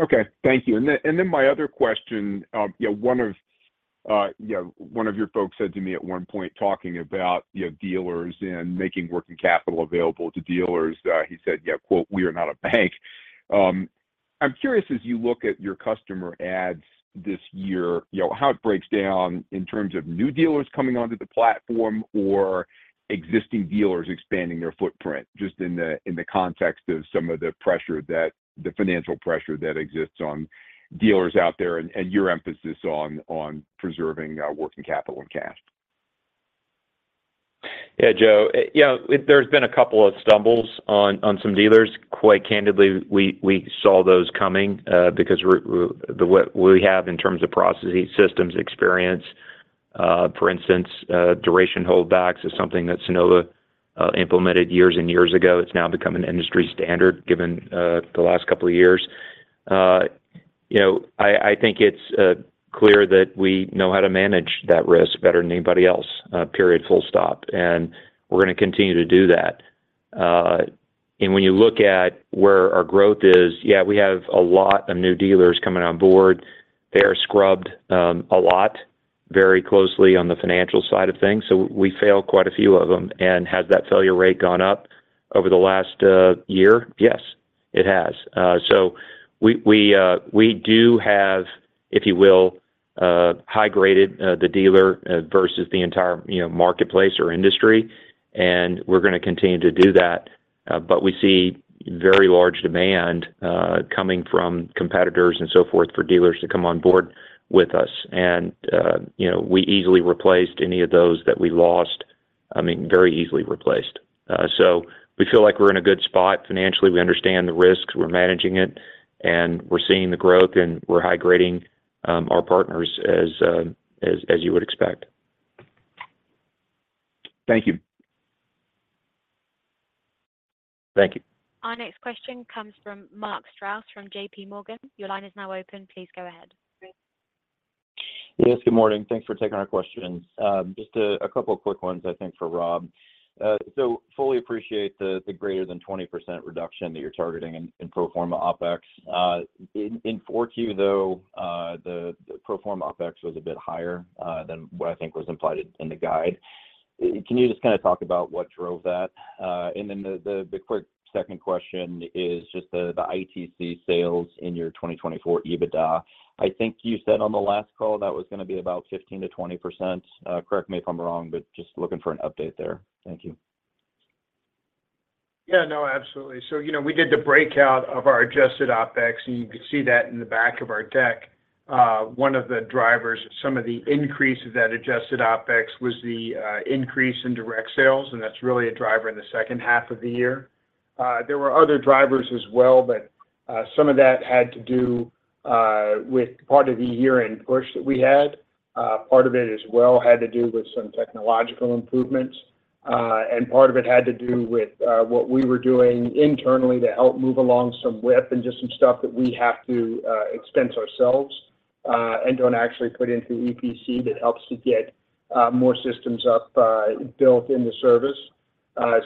Okay. Thank you. And then my other question, one of your folks said to me at one point talking about dealers and making working capital available to dealers, he said, "We are not a bank." I'm curious, as you look at your customer adds this year, how it breaks down in terms of new dealers coming onto the platform or existing dealers expanding their footprint, just in the context of some of the pressure, the financial pressure that exists on dealers out there and your emphasis on preserving working capital and cash. Yeah, Joe. There's been a couple of stumbles on some dealers. Quite candidly, we saw those coming because what we have in terms of processes, systems, experience, for instance, duration holdbacks is something that Sunnova implemented years and years ago. It's now become an industry standard given the last couple of years. I think it's clear that we know how to manage that risk better than anybody else, period, full stop. And we're going to continue to do that. And when you look at where our growth is, yeah, we have a lot of new dealers coming on board. They are scrubbed a lot, very closely on the financial side of things. So we fail quite a few of them. And has that failure rate gone up over the last year? Yes, it has. So we do have, if you will, high-graded the dealer versus the entire marketplace or industry. And we're going to continue to do that. But we see very large demand coming from competitors and so forth for dealers to come on board with us. And we easily replaced any of those that we lost, I mean, very easily replaced. So we feel like we're in a good spot financially. We understand the risks. We're managing it. And we're seeing the growth. And we're high-grading our partners as you would expect. Thank you. Thank you. Our next question comes from Mark Strouse from J.P. Morgan. Your line is now open. Please go ahead. Yes. Good morning. Thanks for taking our questions. Just a couple of quick ones, I think, for Rob. So fully appreciate the greater than 20% reduction that you're targeting in pro forma OpEx. In 4Q, though, the pro forma OpEx was a bit higher than what I think was implied in the guide. Can you just kind of talk about what drove that? And then the quick second question is just the ITC sales in your 2024 EBITDA. I think you said on the last call that was going to be about 15%-20%. Correct me if I'm wrong, but just looking for an update there. Thank you. Yeah. No, absolutely. So we did the breakout of our Adjusted OpEx. And you could see that in the back of our deck. One of the drivers, some of the increase of that Adjusted OpEx was the increase in direct sales. And that's really a driver in the second half of the year. There were other drivers as well, but some of that had to do with part of the year-end push that we had. Part of it as well had to do with some technological improvements. And part of it had to do with what we were doing internally to help move along some WIP and just some stuff that we have to expense ourselves and don't actually put into EPC that helps to get more systems built into service.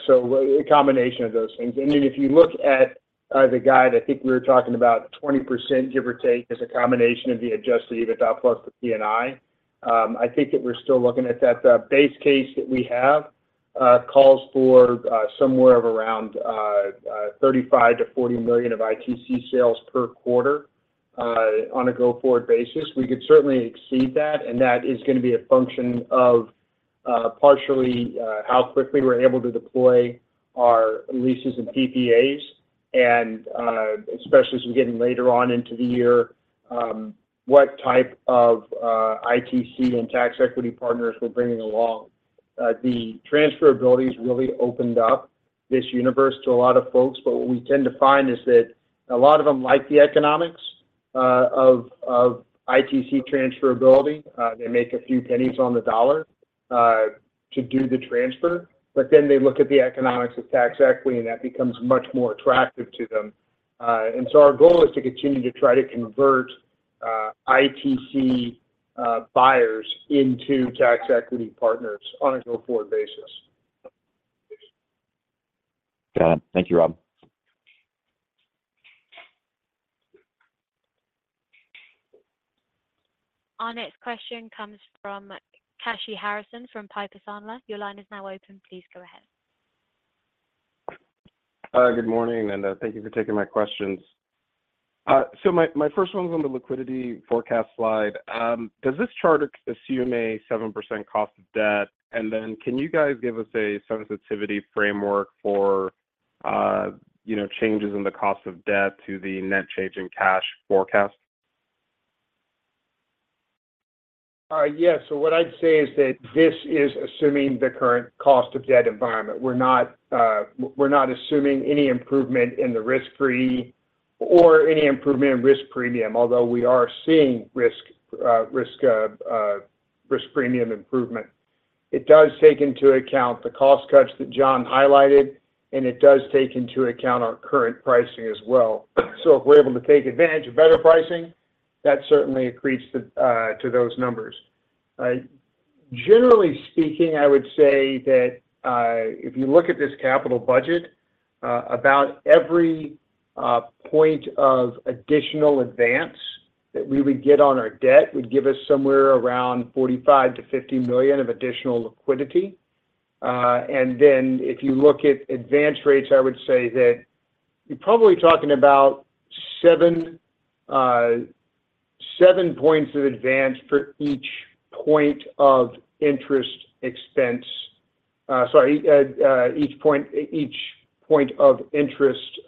So a combination of those things. Then if you look at the guide, I think we were talking about 20%, give or take, as a combination of the Adjusted EBITDA plus the P&I. I think that we're still looking at that. The base case that we have calls for somewhere around $35 million-$40 million of ITC sales per quarter on a go-forward basis. We could certainly exceed that. And that is going to be a function of partially how quickly we're able to deploy our leases and PPAs. And especially as we're getting later on into the year, what type of ITC and tax equity partners we're bringing along. The transferability has really opened up this universe to a lot of folks. But what we tend to find is that a lot of them like the economics of ITC transferability. They make a few pennies on the dollar to do the transfer. But then they look at the economics of Tax Equity, and that becomes much more attractive to them. And so our goal is to continue to try to convert ITC buyers into Tax Equity partners on a go-forward basis. Got it. Thank you, Rob. Our next question comes from Kashy Harrison from Piper Sandler. Your line is now open. Please go ahead. Good morning. Thank you for taking my questions. My first one's on the liquidity forecast slide. Does this chart assume a 7% cost of debt? Then can you guys give us a sensitivity framework for changes in the cost of debt to the net change in cash forecast? Yes. So what I'd say is that this is assuming the current cost of debt environment. We're not assuming any improvement in the risk-free or any improvement in risk premium, although we are seeing risk premium improvement. It does take into account the cost cuts that John highlighted, and it does take into account our current pricing as well. So if we're able to take advantage of better pricing, that certainly accretes to those numbers. Generally speaking, I would say that if you look at this capital budget, about every point of additional advance that we would get on our debt would give us somewhere around $45 million-$50 million of additional liquidity. And then if you look at advance rates, I would say that you're probably talking about seven points of advance for each point of interest expense sorry, each point of interest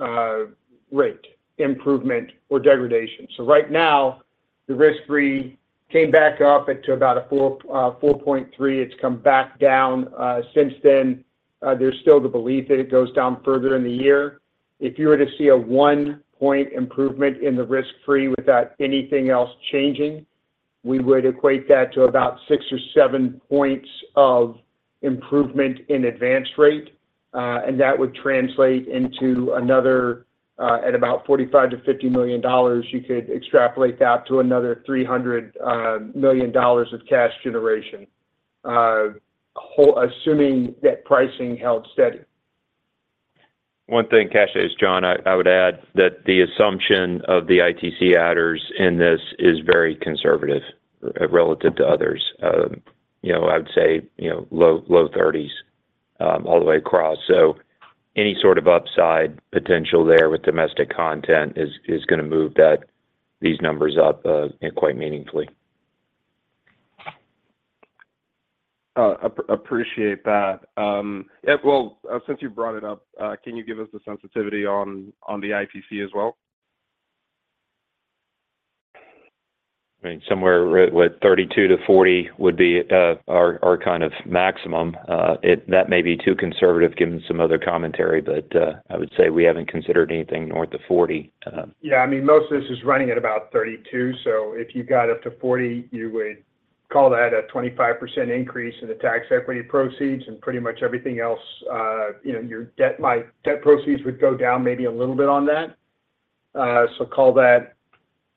rate improvement or degradation. Right now, the risk-free came back up to about a 4.3. It's come back down since then. There's still the belief that it goes down further in the year. If you were to see a one-point improvement in the risk-free without anything else changing, we would equate that to about six or seven points of improvement in advance rate. And that would translate into another at about $45 million-$50 million, you could extrapolate that to another $300 million of cash generation, assuming that pricing held steady. One thing, Kashy, is John, I would add that the assumption of the ITC adders in this is very conservative relative to others. I would say low 30s all the way across. So any sort of upside potential there with domestic content is going to move these numbers up quite meaningfully. Appreciate that. Yeah. Well, since you brought it up, can you give us the sensitivity on the ITC as well? I mean, somewhere with 32-40 would be our kind of maximum. That may be too conservative given some other commentary. But I would say we haven't considered anything north of 40. Yeah. I mean, most of this is running at about 32. So if you got up to 40, you would call that a 25% increase in the Tax Equity proceeds and pretty much everything else. My debt proceeds would go down maybe a little bit on that. So call that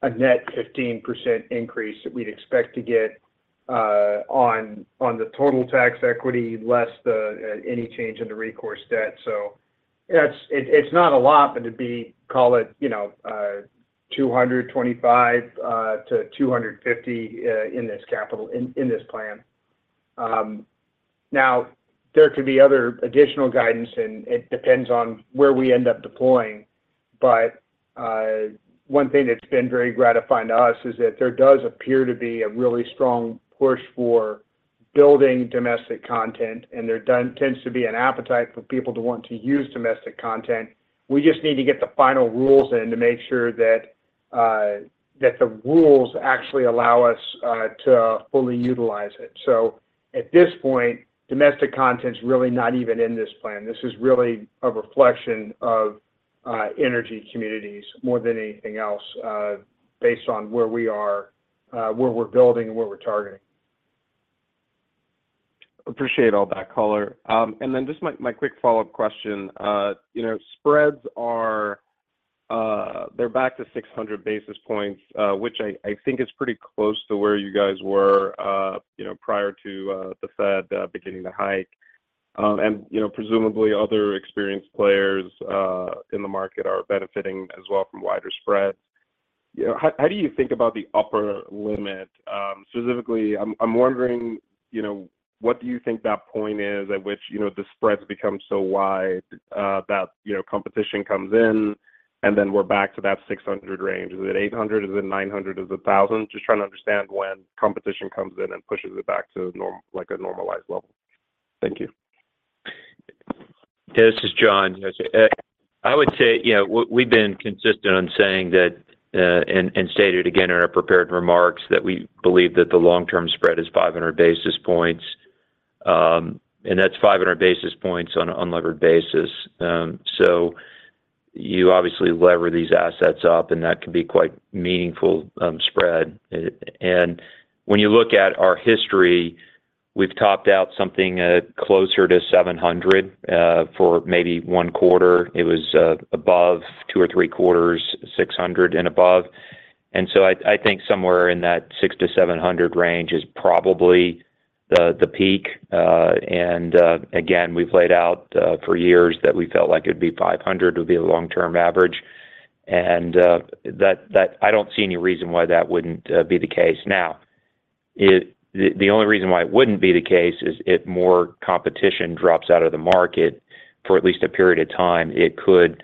a net 15% increase that we'd expect to get on the total Tax Equity less any change in the recourse debt. So it's not a lot, but it'd be, call it, 225-250 in this plan. Now, there could be other additional guidance, and it depends on where we end up deploying. But one thing that's been very gratifying to us is that there does appear to be a really strong push for building Domestic Content. And there tends to be an appetite for people to want to use Domestic Content. We just need to get the final rules in to make sure that the rules actually allow us to fully utilize it. So at this point, Domestic Content's really not even in this plan. This is really a reflection of Energy Communities more than anything else based on where we are, where we're building, and where we're targeting. Appreciate all that, color. And then just my quick follow-up question. Spreads, they're back to 600 basis points, which I think is pretty close to where you guys were prior to the Fed beginning to hike. And presumably, other experienced players in the market are benefiting as well from wider spreads. How do you think about the upper limit? Specifically, I'm wondering, what do you think that point is at which the spreads become so wide that competition comes in, and then we're back to that 600 range? Is it 800? Is it 900? Is it 1,000? Just trying to understand when competition comes in and pushes it back to a normalized level. Thank you. Yeah. This is John. I would say we've been consistent on saying that and stated again in our prepared remarks that we believe that the long-term spread is 500 basis points. That's 500 basis points on an unlevered basis. So you obviously lever these assets up, and that can be quite meaningful spread. When you look at our history, we've topped out something closer to 700 for maybe one quarter. It was above two or three quarters, 600 and above. So I think somewhere in that 600-700 range is probably the peak. Again, we've laid out for years that we felt like it would be 500 would be the long-term average. I don't see any reason why that wouldn't be the case. Now, the only reason why it wouldn't be the case is if more competition drops out of the market for at least a period of time. It could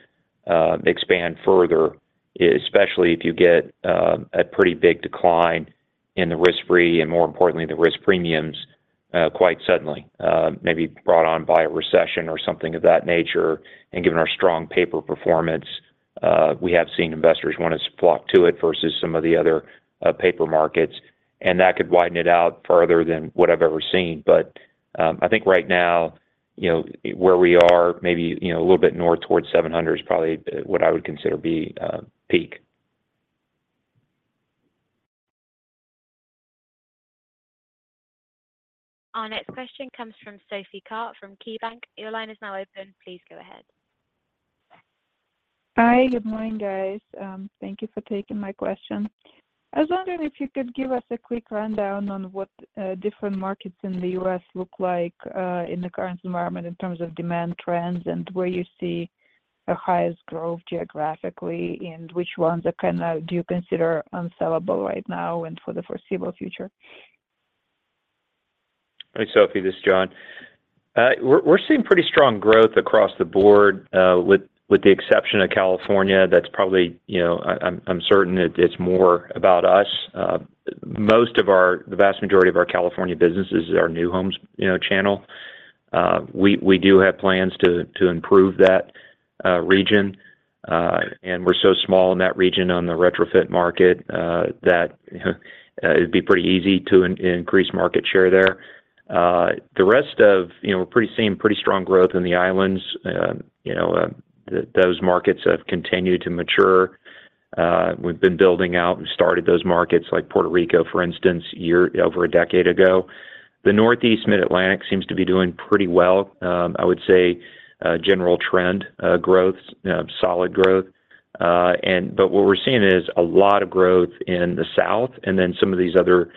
expand further, especially if you get a pretty big decline in the risk-free and, more importantly, the risk premiums quite suddenly, maybe brought on by a recession or something of that nature. And given our strong paper performance, we have seen investors want to flock to it versus some of the other paper markets. And that could widen it out further than what I've ever seen. But I think right now, where we are, maybe a little bit north towards 700 is probably what I would consider be peak. Our next question comes from Sophie Karp from KeyBanc. Your line is now open. Please go ahead. Hi. Good morning, guys. Thank you for taking my question. I was wondering if you could give us a quick rundown on what different markets in the U.S. look like in the current environment in terms of demand trends and where you see the highest growth geographically and which ones do you consider unsellable right now and for the foreseeable future? Hi, Sophie. This is John. We're seeing pretty strong growth across the board with the exception of California. That's probably. I'm certain it's more about us. The vast majority of our California businesses are new homes channel. We do have plans to improve that region. And we're so small in that region on the retrofit market that it'd be pretty easy to increase market share there. The rest of we're seeing pretty strong growth in the islands. Those markets have continued to mature. We've been building out. We've started those markets like Puerto Rico, for instance, over a decade ago. The Northeast, Mid-Atlantic seems to be doing pretty well. I would say general trend growth, solid growth. But what we're seeing is a lot of growth in the south and then some of these other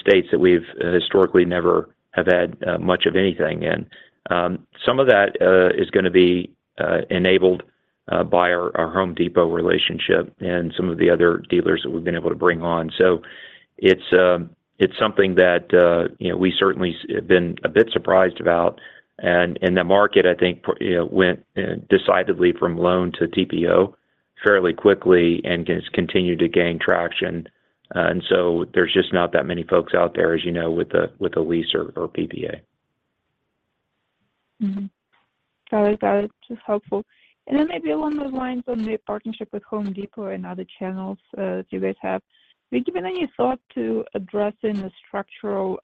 states that we've historically never have had much of anything in. Some of that is going to be enabled by our Home Depot relationship and some of the other dealers that we've been able to bring on. So it's something that we certainly have been a bit surprised about. That market, I think, went decidedly from loan to TPO fairly quickly and has continued to gain traction. So there's just not that many folks out there, as you know, with a lease or PPA. Got it. Got it. That's helpful. And then maybe along those lines on the partnership with Home Depot and other channels that you guys have, have you given any thought to addressing the structural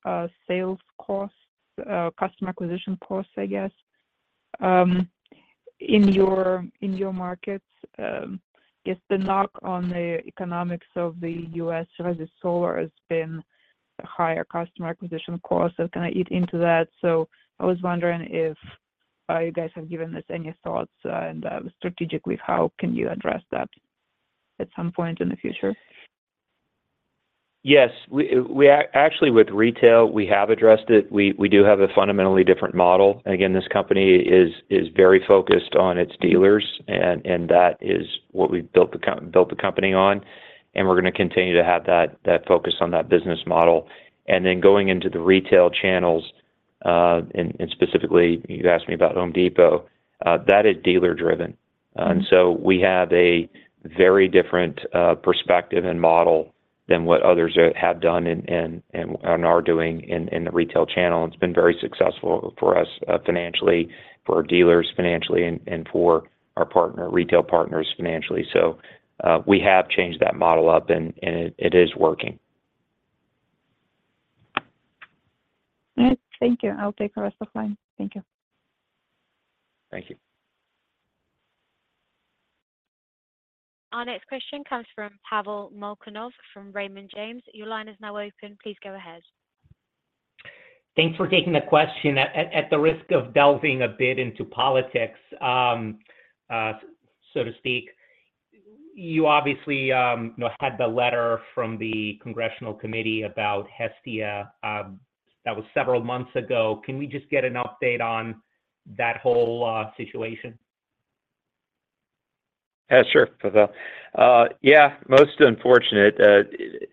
sales costs, customer acquisition costs, I guess, in your markets? I guess the knock on the economics of the U.S. versus solar has been a higher customer acquisition cost. That's going to eat into that. So I was wondering if you guys have given us any thoughts. And strategically, how can you address that at some point in the future? Yes. Actually, with retail, we have addressed it. We do have a fundamentally different model. Again, this company is very focused on its dealers, and that is what we've built the company on. We're going to continue to have that focus on that business model. Then going into the retail channels, and specifically, you asked me about Home Depot. That is dealer-driven. So we have a very different perspective and model than what others have done and are doing in the retail channel. It's been very successful for us financially, for our dealers financially, and for our retail partners financially. We have changed that model up, and it is working. All right. Thank you. I'll take the rest of the line. Thank you. Thank you. Our next question comes from Pavel Molchanov from Raymond James. Your line is now open. Please go ahead. Thanks for taking the question. At the risk of delving a bit into politics, so to speak, you obviously had the letter from the congressional committee about Hestia. That was several months ago. Can we just get an update on that whole situation? Yeah. Sure. Yeah. Most unfortunate.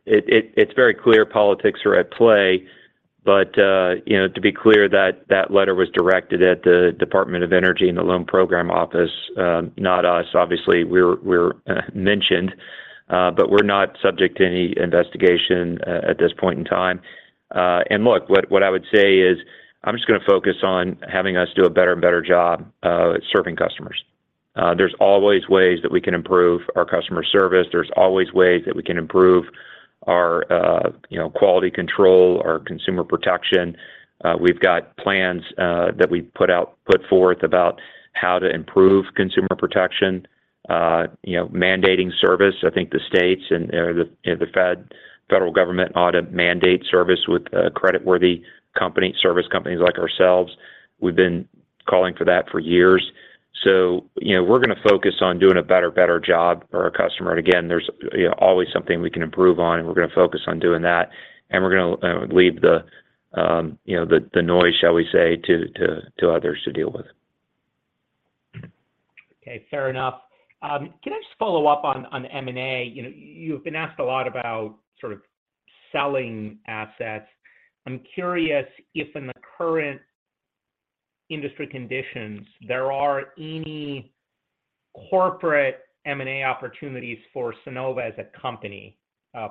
It's very clear politics are at play. But to be clear, that letter was directed at the Department of Energy and the Loan Program Office, not us. Obviously, we're mentioned, but we're not subject to any investigation at this point in time. Look, what I would say is I'm just going to focus on having us do a better and better job serving customers. There's always ways that we can improve our customer service. There's always ways that we can improve our quality control, our consumer protection. We've got plans that we put forth about how to improve consumer protection, mandating service. I think the states and the federal government ought to mandate service with creditworthy companies, service companies like ourselves. We've been calling for that for years. So we're going to focus on doing a better, better job for our customer. Again, there's always something we can improve on, and we're going to focus on doing that. We're going to leave the noise, shall we say, to others to deal with. Okay. Fair enough. Can I just follow up on the M&A? You've been asked a lot about sort of selling assets. I'm curious if in the current industry conditions, there are any corporate M&A opportunities for Sunnova as a company,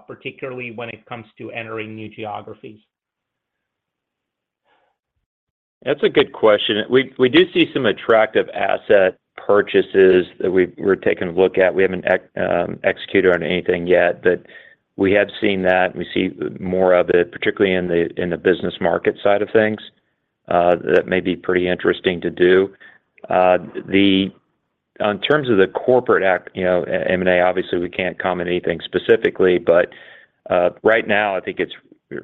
particularly when it comes to entering new geographies? That's a good question. We do see some attractive asset purchases that we're taking a look at. We haven't executed on anything yet, but we have seen that. We see more of it, particularly in the business market side of things that may be pretty interesting to do. In terms of the corporate M&A, obviously, we can't comment anything specifically. But right now, I think it's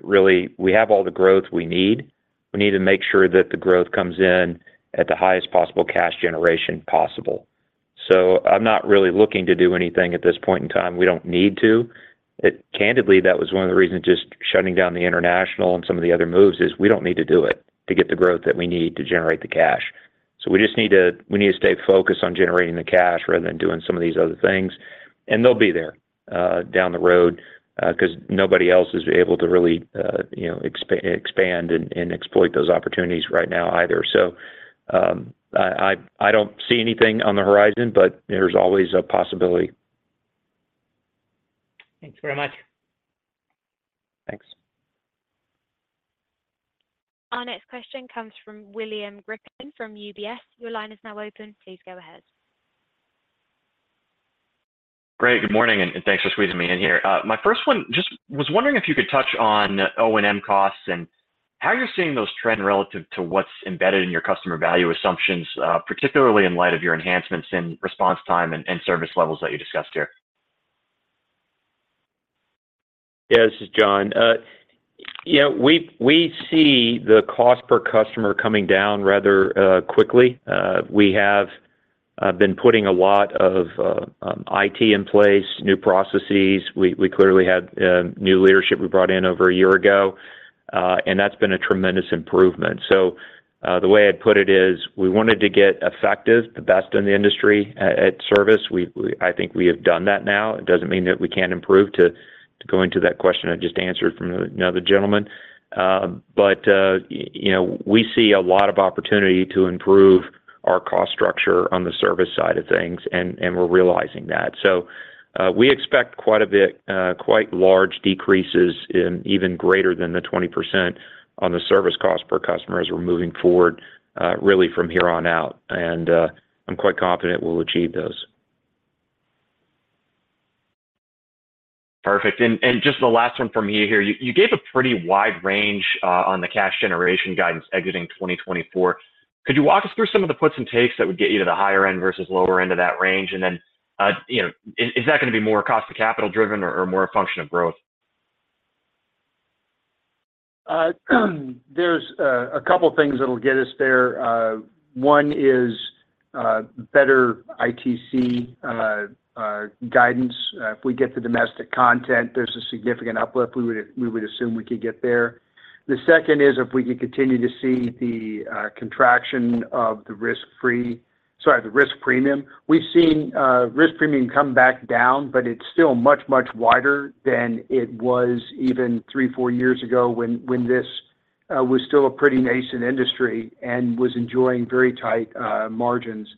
really we have all the growth we need. We need to make sure that the growth comes in at the highest possible cash generation possible. So I'm not really looking to do anything at this point in time. We don't need to. Candidly, that was one of the reasons just shutting down the international and some of the other moves is we don't need to do it to get the growth that we need to generate the cash. So we just need to stay focused on generating the cash rather than doing some of these other things. And they'll be there down the road because nobody else is able to really expand and exploit those opportunities right now either. So I don't see anything on the horizon, but there's always a possibility. Thanks very much. Thanks. Our next question comes from William Griffin from UBS. Your line is now open. Please go ahead. Great. Good morning, and thanks for squeezing me in here. My first one just was wondering if you could touch on O&M costs and how you're seeing those trend relative to what's embedded in your customer value assumptions, particularly in light of your enhancements in response time and service levels that you discussed here. Yeah. This is John. We see the cost per customer coming down rather quickly. We have been putting a lot of IT in place, new processes. We clearly had new leadership we brought in over a year ago. And that's been a tremendous improvement. So the way I'd put it is we wanted to get effective, the best in the industry at service. I think we have done that now. It doesn't mean that we can't improve to go into that question I just answered from another gentleman. But we see a lot of opportunity to improve our cost structure on the service side of things, and we're realizing that. So we expect quite a bit, quite large decreases, even greater than the 20% on the service cost per customer as we're moving forward really from here on out. And I'm quite confident we'll achieve those. Perfect. And just the last one from you here. You gave a pretty wide range on the cash generation guidance exiting 2024. Could you walk us through some of the puts and takes that would get you to the higher end versus lower end of that range? And then is that going to be more cost-to-capital driven or more a function of growth? There's a couple of things that'll get us there. One is better ITC guidance. If we get to domestic content, there's a significant uplift. We would assume we could get there. The second is if we could continue to see the contraction of the risk-free sorry, the risk premium. We've seen risk premium come back down, but it's still much, much wider than it was even three, four years ago when this was still a pretty nascent industry and was enjoying very tight margins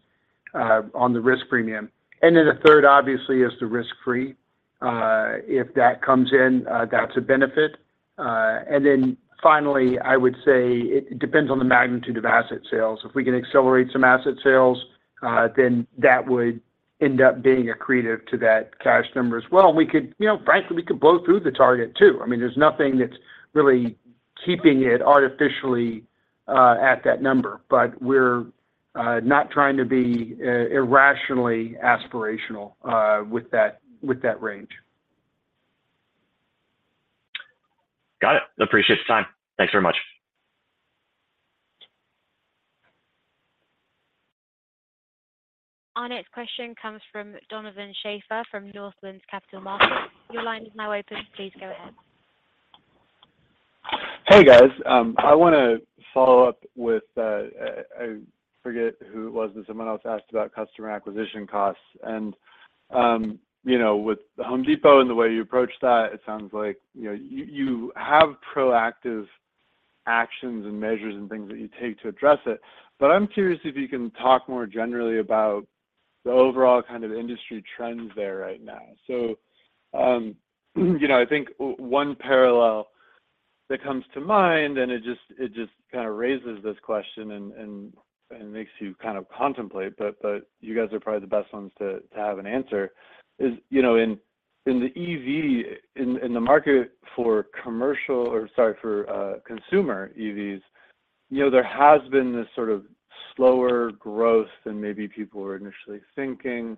on the risk premium. And then the third, obviously, is the risk-free. If that comes in, that's a benefit. And then finally, I would say it depends on the magnitude of asset sales. If we can accelerate some asset sales, then that would end up being accretive to that cash number as well. And frankly, we could blow through the target too. I mean, there's nothing that's really keeping it artificially at that number. But we're not trying to be irrationally aspirational with that range. Got it. Appreciate the time. Thanks very much. Our next question comes from Donovan Schafer from Northland Capital Markets. Your line is now open. Please go ahead. Hey, guys. I want to follow up with—I forget who it was. Someone else asked about customer acquisition costs. And with Home Depot and the way you approach that, it sounds like you have proactive actions and measures and things that you take to address it. But I'm curious if you can talk more generally about the overall kind of industry trends there right now? So I think one parallel that comes to mind, and it just kind of raises this question and makes you kind of contemplate, but you guys are probably the best ones to have an answer, is in the EV, in the market for commercial or sorry, for consumer EVs, there has been this sort of slower growth than maybe people were initially thinking,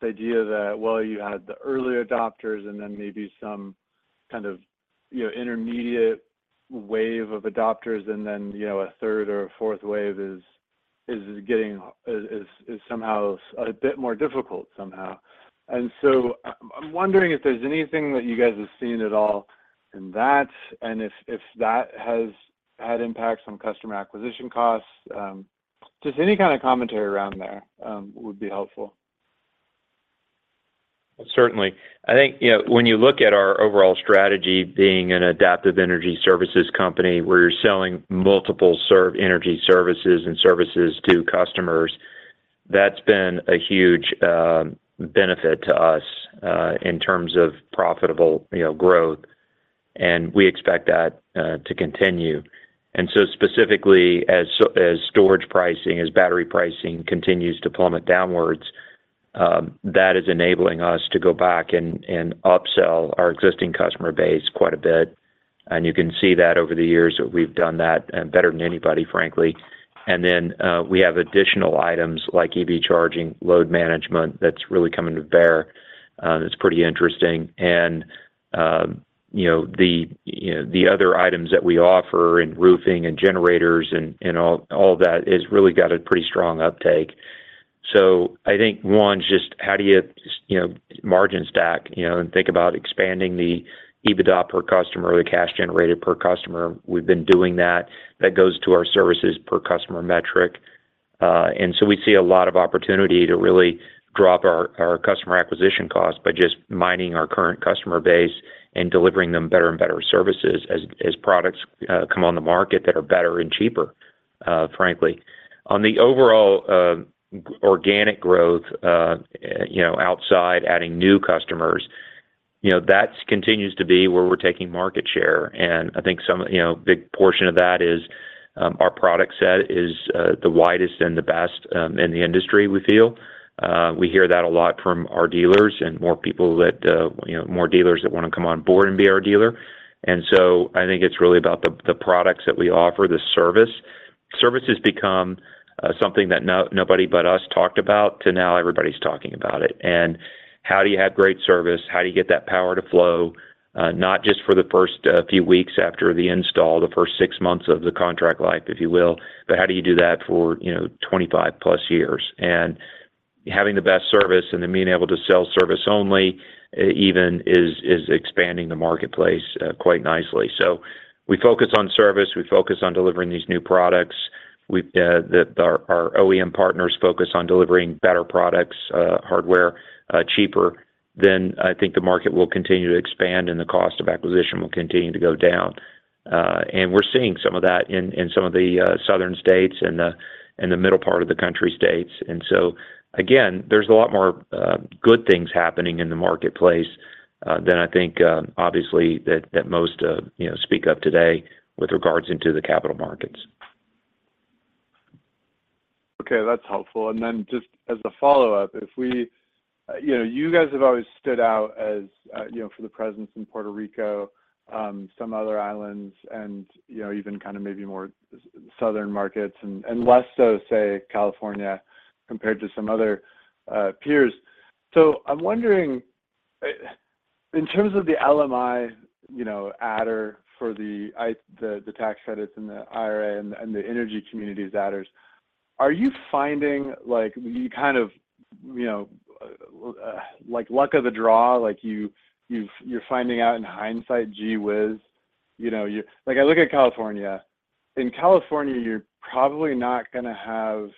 the idea that, well, you had the early adopters and then maybe some kind of intermediate wave of adopters, and then a third or a fourth wave is getting somehow a bit more difficult somehow. And so I'm wondering if there's anything that you guys have seen at all in that and if that has had impacts on customer acquisition costs. Just any kind of commentary around there would be helpful. Certainly. I think when you look at our overall strategy being an adaptive energy services company where you're selling multiple energy services and services to customers, that's been a huge benefit to us in terms of profitable growth. We expect that to continue. So specifically, as storage pricing, as battery pricing continues to plummet downwards, that is enabling us to go back and upsell our existing customer base quite a bit. You can see that over the years. We've done that better than anybody, frankly. Then we have additional items like EV charging, load management that's really coming to bear. It's pretty interesting. The other items that we offer in roofing and generators and all that has really got a pretty strong uptake. So I think one, just how do you margin stack and think about expanding the EV adopt per customer or the cash generated per customer? We've been doing that. That goes to our services per customer metric. And so we see a lot of opportunity to really drop our customer acquisition costs by just mining our current customer base and delivering them better and better services as products come on the market that are better and cheaper, frankly. On the overall organic growth outside, adding new customers, that continues to be where we're taking market share. And I think a big portion of that is our product set is the widest and the best in the industry, we feel. We hear that a lot from our dealers and more people that more dealers that want to come on board and be our dealer. And so I think it's really about the products that we offer, the service. Service has become something that nobody but us talked about to now everybody's talking about it. And how do you have great service? How do you get that power to flow not just for the first few weeks after the install, the first six months of the contract life, if you will, but how do you do that for 25+ years? And having the best service and then being able to sell service only even is expanding the marketplace quite nicely. So we focus on service. We focus on delivering these new products. Our OEM partners focus on delivering better products, hardware cheaper. Then I think the market will continue to expand, and the cost of acquisition will continue to go down. We're seeing some of that in some of the southern states and the middle part of the country states. And so again, there's a lot more good things happening in the marketplace than I think, obviously, that most speak up today with regards into the capital markets. Okay. That's helpful. And then just as a follow-up, if you guys have always stood out for the presence in Puerto Rico, some other islands, and even kind of maybe more southern markets and less so, say, California compared to some other peers. So I'm wondering, in terms of the LMI adder for the tax credits and the IRA and the energy community's adders, are you finding you kind of like luck of the draw? You're finding out in hindsight, gee whiz. I look at California. In California, you're probably not going to have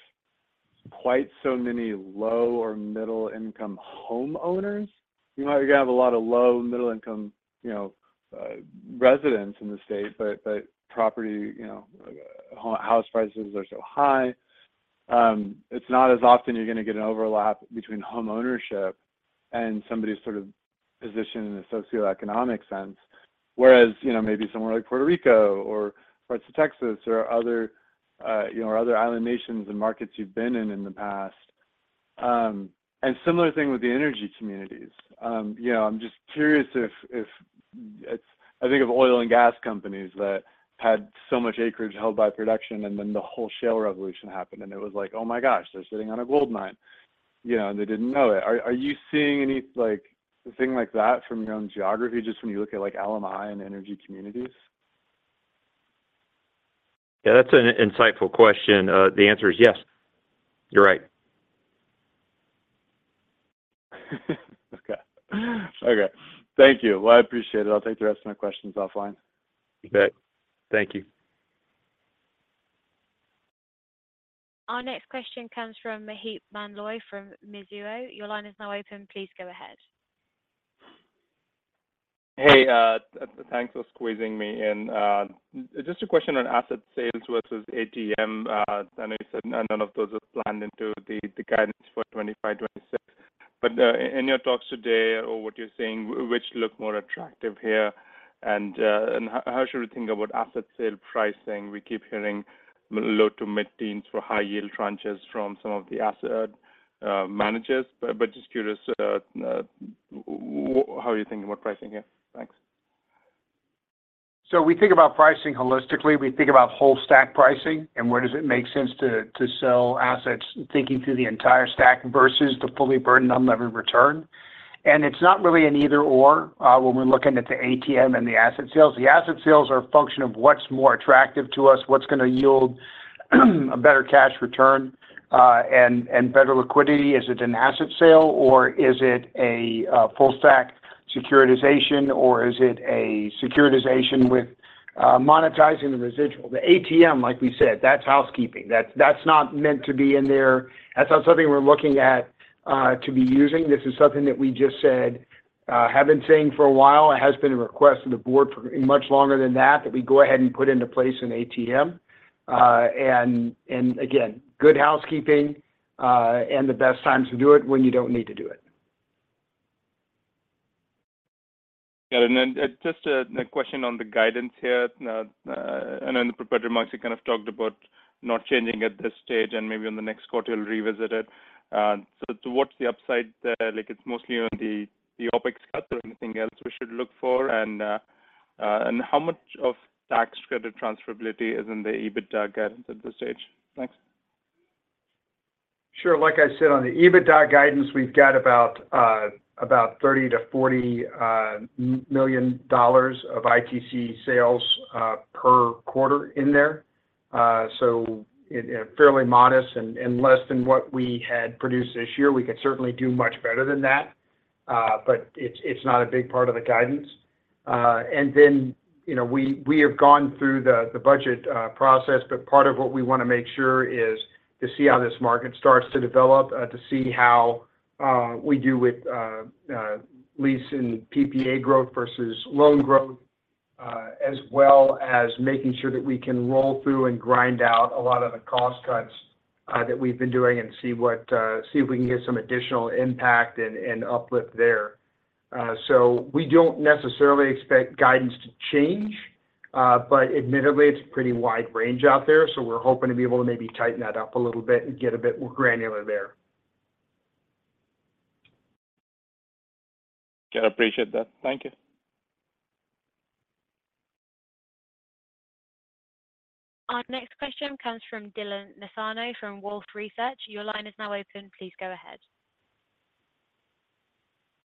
quite so many low- or middle-income homeowners. You might have a lot of low-, middle-income residents in the state, but property house prices are so high. It's not as often you're going to get an overlap between homeownership and somebody's sort of position in a socioeconomic sense, whereas maybe somewhere like Puerto Rico or parts of Texas or other island nations and markets you've been in in the past. And similar thing with the energy communities. I'm just curious if I think of oil and gas companies that had so much acreage held by production, and then the whole shale revolution happened, and it was like, "Oh my gosh, they're sitting on a gold mine," and they didn't know it. Are you seeing anything like that from your own geography just when you look at LMI and energy communities? Yeah. That's an insightful question. The answer is yes. You're right. Okay. Okay. Thank you. Well, I appreciate it. I'll take the rest of my questions offline. Okay. Thank you. Our next question comes from Maheep Mandloi from Mizuho. Your line is now open. Please go ahead. Hey. Thanks for squeezing me in. Just a question on asset sales versus ATM. I know you said none of those are planned into the guidance for 2025/2026. But in your talks today or what you're seeing, which look more attractive here? And how should we think about asset sale pricing? We keep hearing low to mid-teens for high-yield tranches from some of the asset managers. But just curious, how are you thinking about pricing here? Thanks. So we think about pricing holistically. We think about whole-stack pricing. And where does it make sense to sell assets thinking through the entire stack versus the Fully Burdened Unlevered Return? And it's not really an either/or when we're looking at the ATM and the asset sales. The asset sales are a function of what's more attractive to us, what's going to yield a better cash return and better liquidity. Is it an asset sale, or is it a full-stack securitization, or is it a securitization with monetizing the residual? The ATM, like we said, that's housekeeping. That's not meant to be in there. That's not something we're looking at to be using. This is something that we just said have been saying for a while. It has been a request of the board for much longer than that that we go ahead and put into place an ATM. Again, good housekeeping and the best times to do it when you don't need to do it. Got it. And then just a question on the guidance here. I know in the prepared remarks, you kind of talked about not changing at this stage, and maybe in the next quarter, you'll revisit it. So what's the upside there? It's mostly on the OpEx cuts or anything else we should look for? And how much of tax credit transferability is in the EBITDA guidance at this stage? Thanks. Sure. Like I said, on the EBITDA guidance, we've got about $30 million-$40 million of ITC sales per quarter in there. So fairly modest and less than what we had produced this year. We could certainly do much better than that, but it's not a big part of the guidance. And then we have gone through the budget process, but part of what we want to make sure is to see how this market starts to develop. To see how we do with lease and PPA growth versus loan growth, as well as making sure that we can roll through and grind out a lot of the cost cuts that we've been doing and see if we can get some additional impact and uplift there. So we don't necessarily expect guidance to change, but admittedly, it's a pretty wide range out there. We're hoping to be able to maybe tighten that up a little bit and get a bit more granular there. Got to appreciate that. Thank you. Our next question comes from Dylan Nassano from Wolfe Research. Your line is now open. Please go ahead.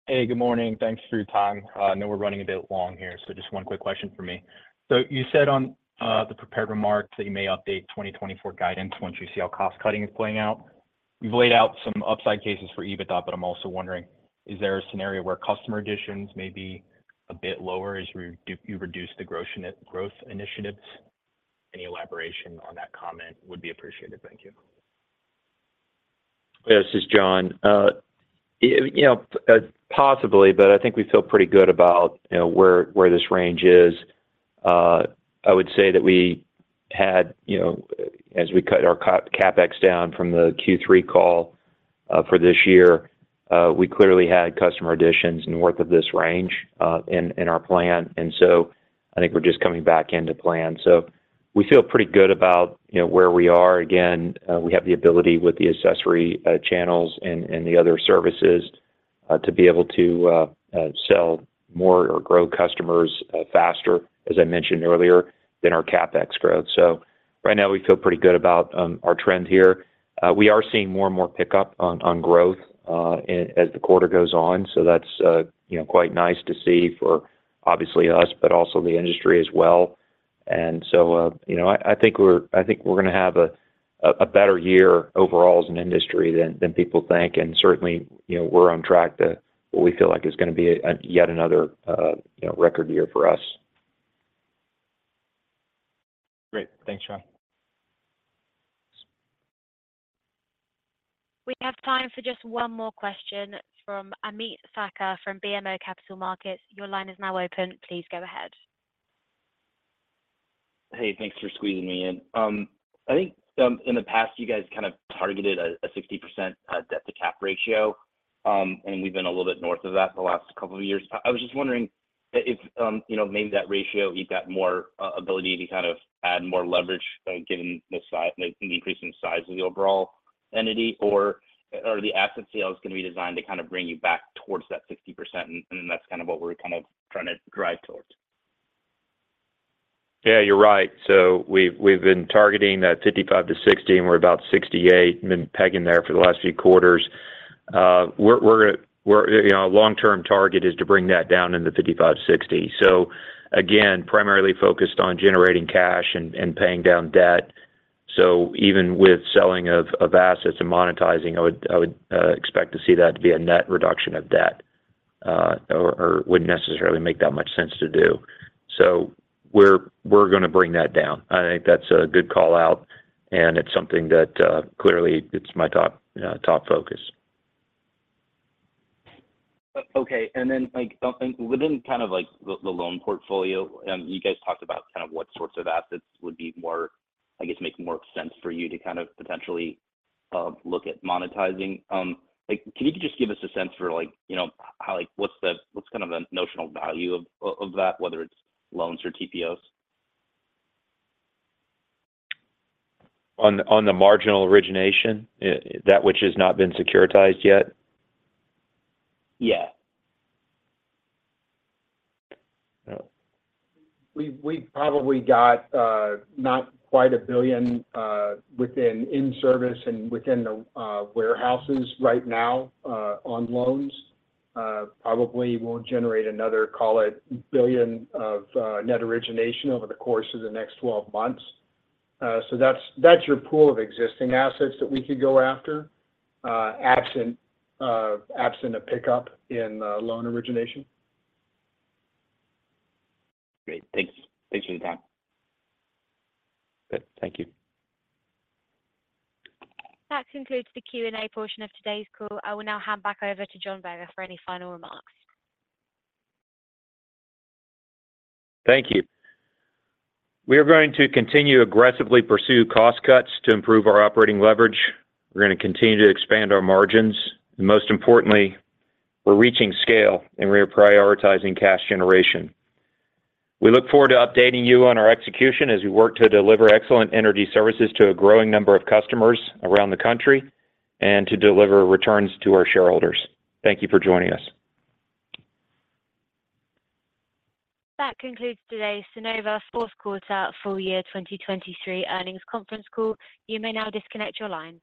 Hey. Good morning. Thanks for your time. I know we're running a bit long here, so just one quick question for me. So you said on the prepared remarks that you may update 2024 guidance once you see how cost-cutting is playing out. You've laid out some upside cases for EBITDA, but I'm also wondering, is there a scenario where customer additions may be a bit lower as you reduce the growth initiatives? Any elaboration on that comment would be appreciated. Thank you. Yeah. This is John. Possibly, but I think we feel pretty good about where this range is. I would say that we had as we cut our CapEx down from the Q3 call for this year, we clearly had customer additions and worth of this range in our plan. And so I think we're just coming back into plan. So we feel pretty good about where we are. Again, we have the ability with the accessory channels and the other services to be able to sell more or grow customers faster, as I mentioned earlier, than our CapEx growth. So right now, we feel pretty good about our trend here. We are seeing more and more pickup on growth as the quarter goes on. So that's quite nice to see for, obviously, us, but also the industry as well. And so I think we're going to have a better year overall as an industry than people think. And certainly, we're on track to what we feel like is going to be yet another record year for us. Great. Thanks, John. We have time for just one more question from Ameet Thakkar from BMO Capital Markets. Your line is now open. Please go ahead. Hey. Thanks for squeezing me in. I think in the past, you guys kind of targeted a 60% debt-to-cap ratio, and we've been a little bit north of that the last couple of years. I was just wondering if maybe that ratio, you've got more ability to kind of add more leverage given the increasing size of the overall entity, or are the asset sales going to be designed to kind of bring you back towards that 60%? And then that's kind of what we're kind of trying to drive towards. Yeah. You're right. So we've been targeting that 55-60, and we're about 68, been pegging there for the last few quarters. Our long-term target is to bring that down in the 55-60. So again, primarily focused on generating cash and paying down debt. So even with selling of assets and monetizing, I would expect to see that be a net reduction of debt or wouldn't necessarily make that much sense to do. So we're going to bring that down. I think that's a good callout, and it's something that clearly, it's my top focus. Okay. And then within kind of the loan portfolio, you guys talked about kind of what sorts of assets would be more, I guess, make more sense for you to kind of potentially look at monetizing. Can you just give us a sense for what's kind of the notional value of that, whether it's loans or TPOs? On the marginal origination, that which has not been securitized yet? Yeah. We've probably got not quite $1 billion in service and within the warehouses right now on loans. Probably will generate another, call it, $1 billion of net origination over the course of the next 12 months. So that's your pool of existing assets that we could go after, absent a pickup in loan origination. Great. Thanks for the time. Good. Thank you. That concludes the Q&A portion of today's call. I will now hand back over to John Berger for any final remarks. Thank you. We are going to continue aggressively pursue cost cuts to improve our operating leverage. We're going to continue to expand our margins. And most importantly, we're reaching scale, and we are prioritizing cash generation. We look forward to updating you on our execution as we work to deliver excellent energy services to a growing number of customers around the country and to deliver returns to our shareholders. Thank you for joining us. That concludes today's Sunnova fourth quarter full year 2023 earnings conference call. You may now disconnect your line.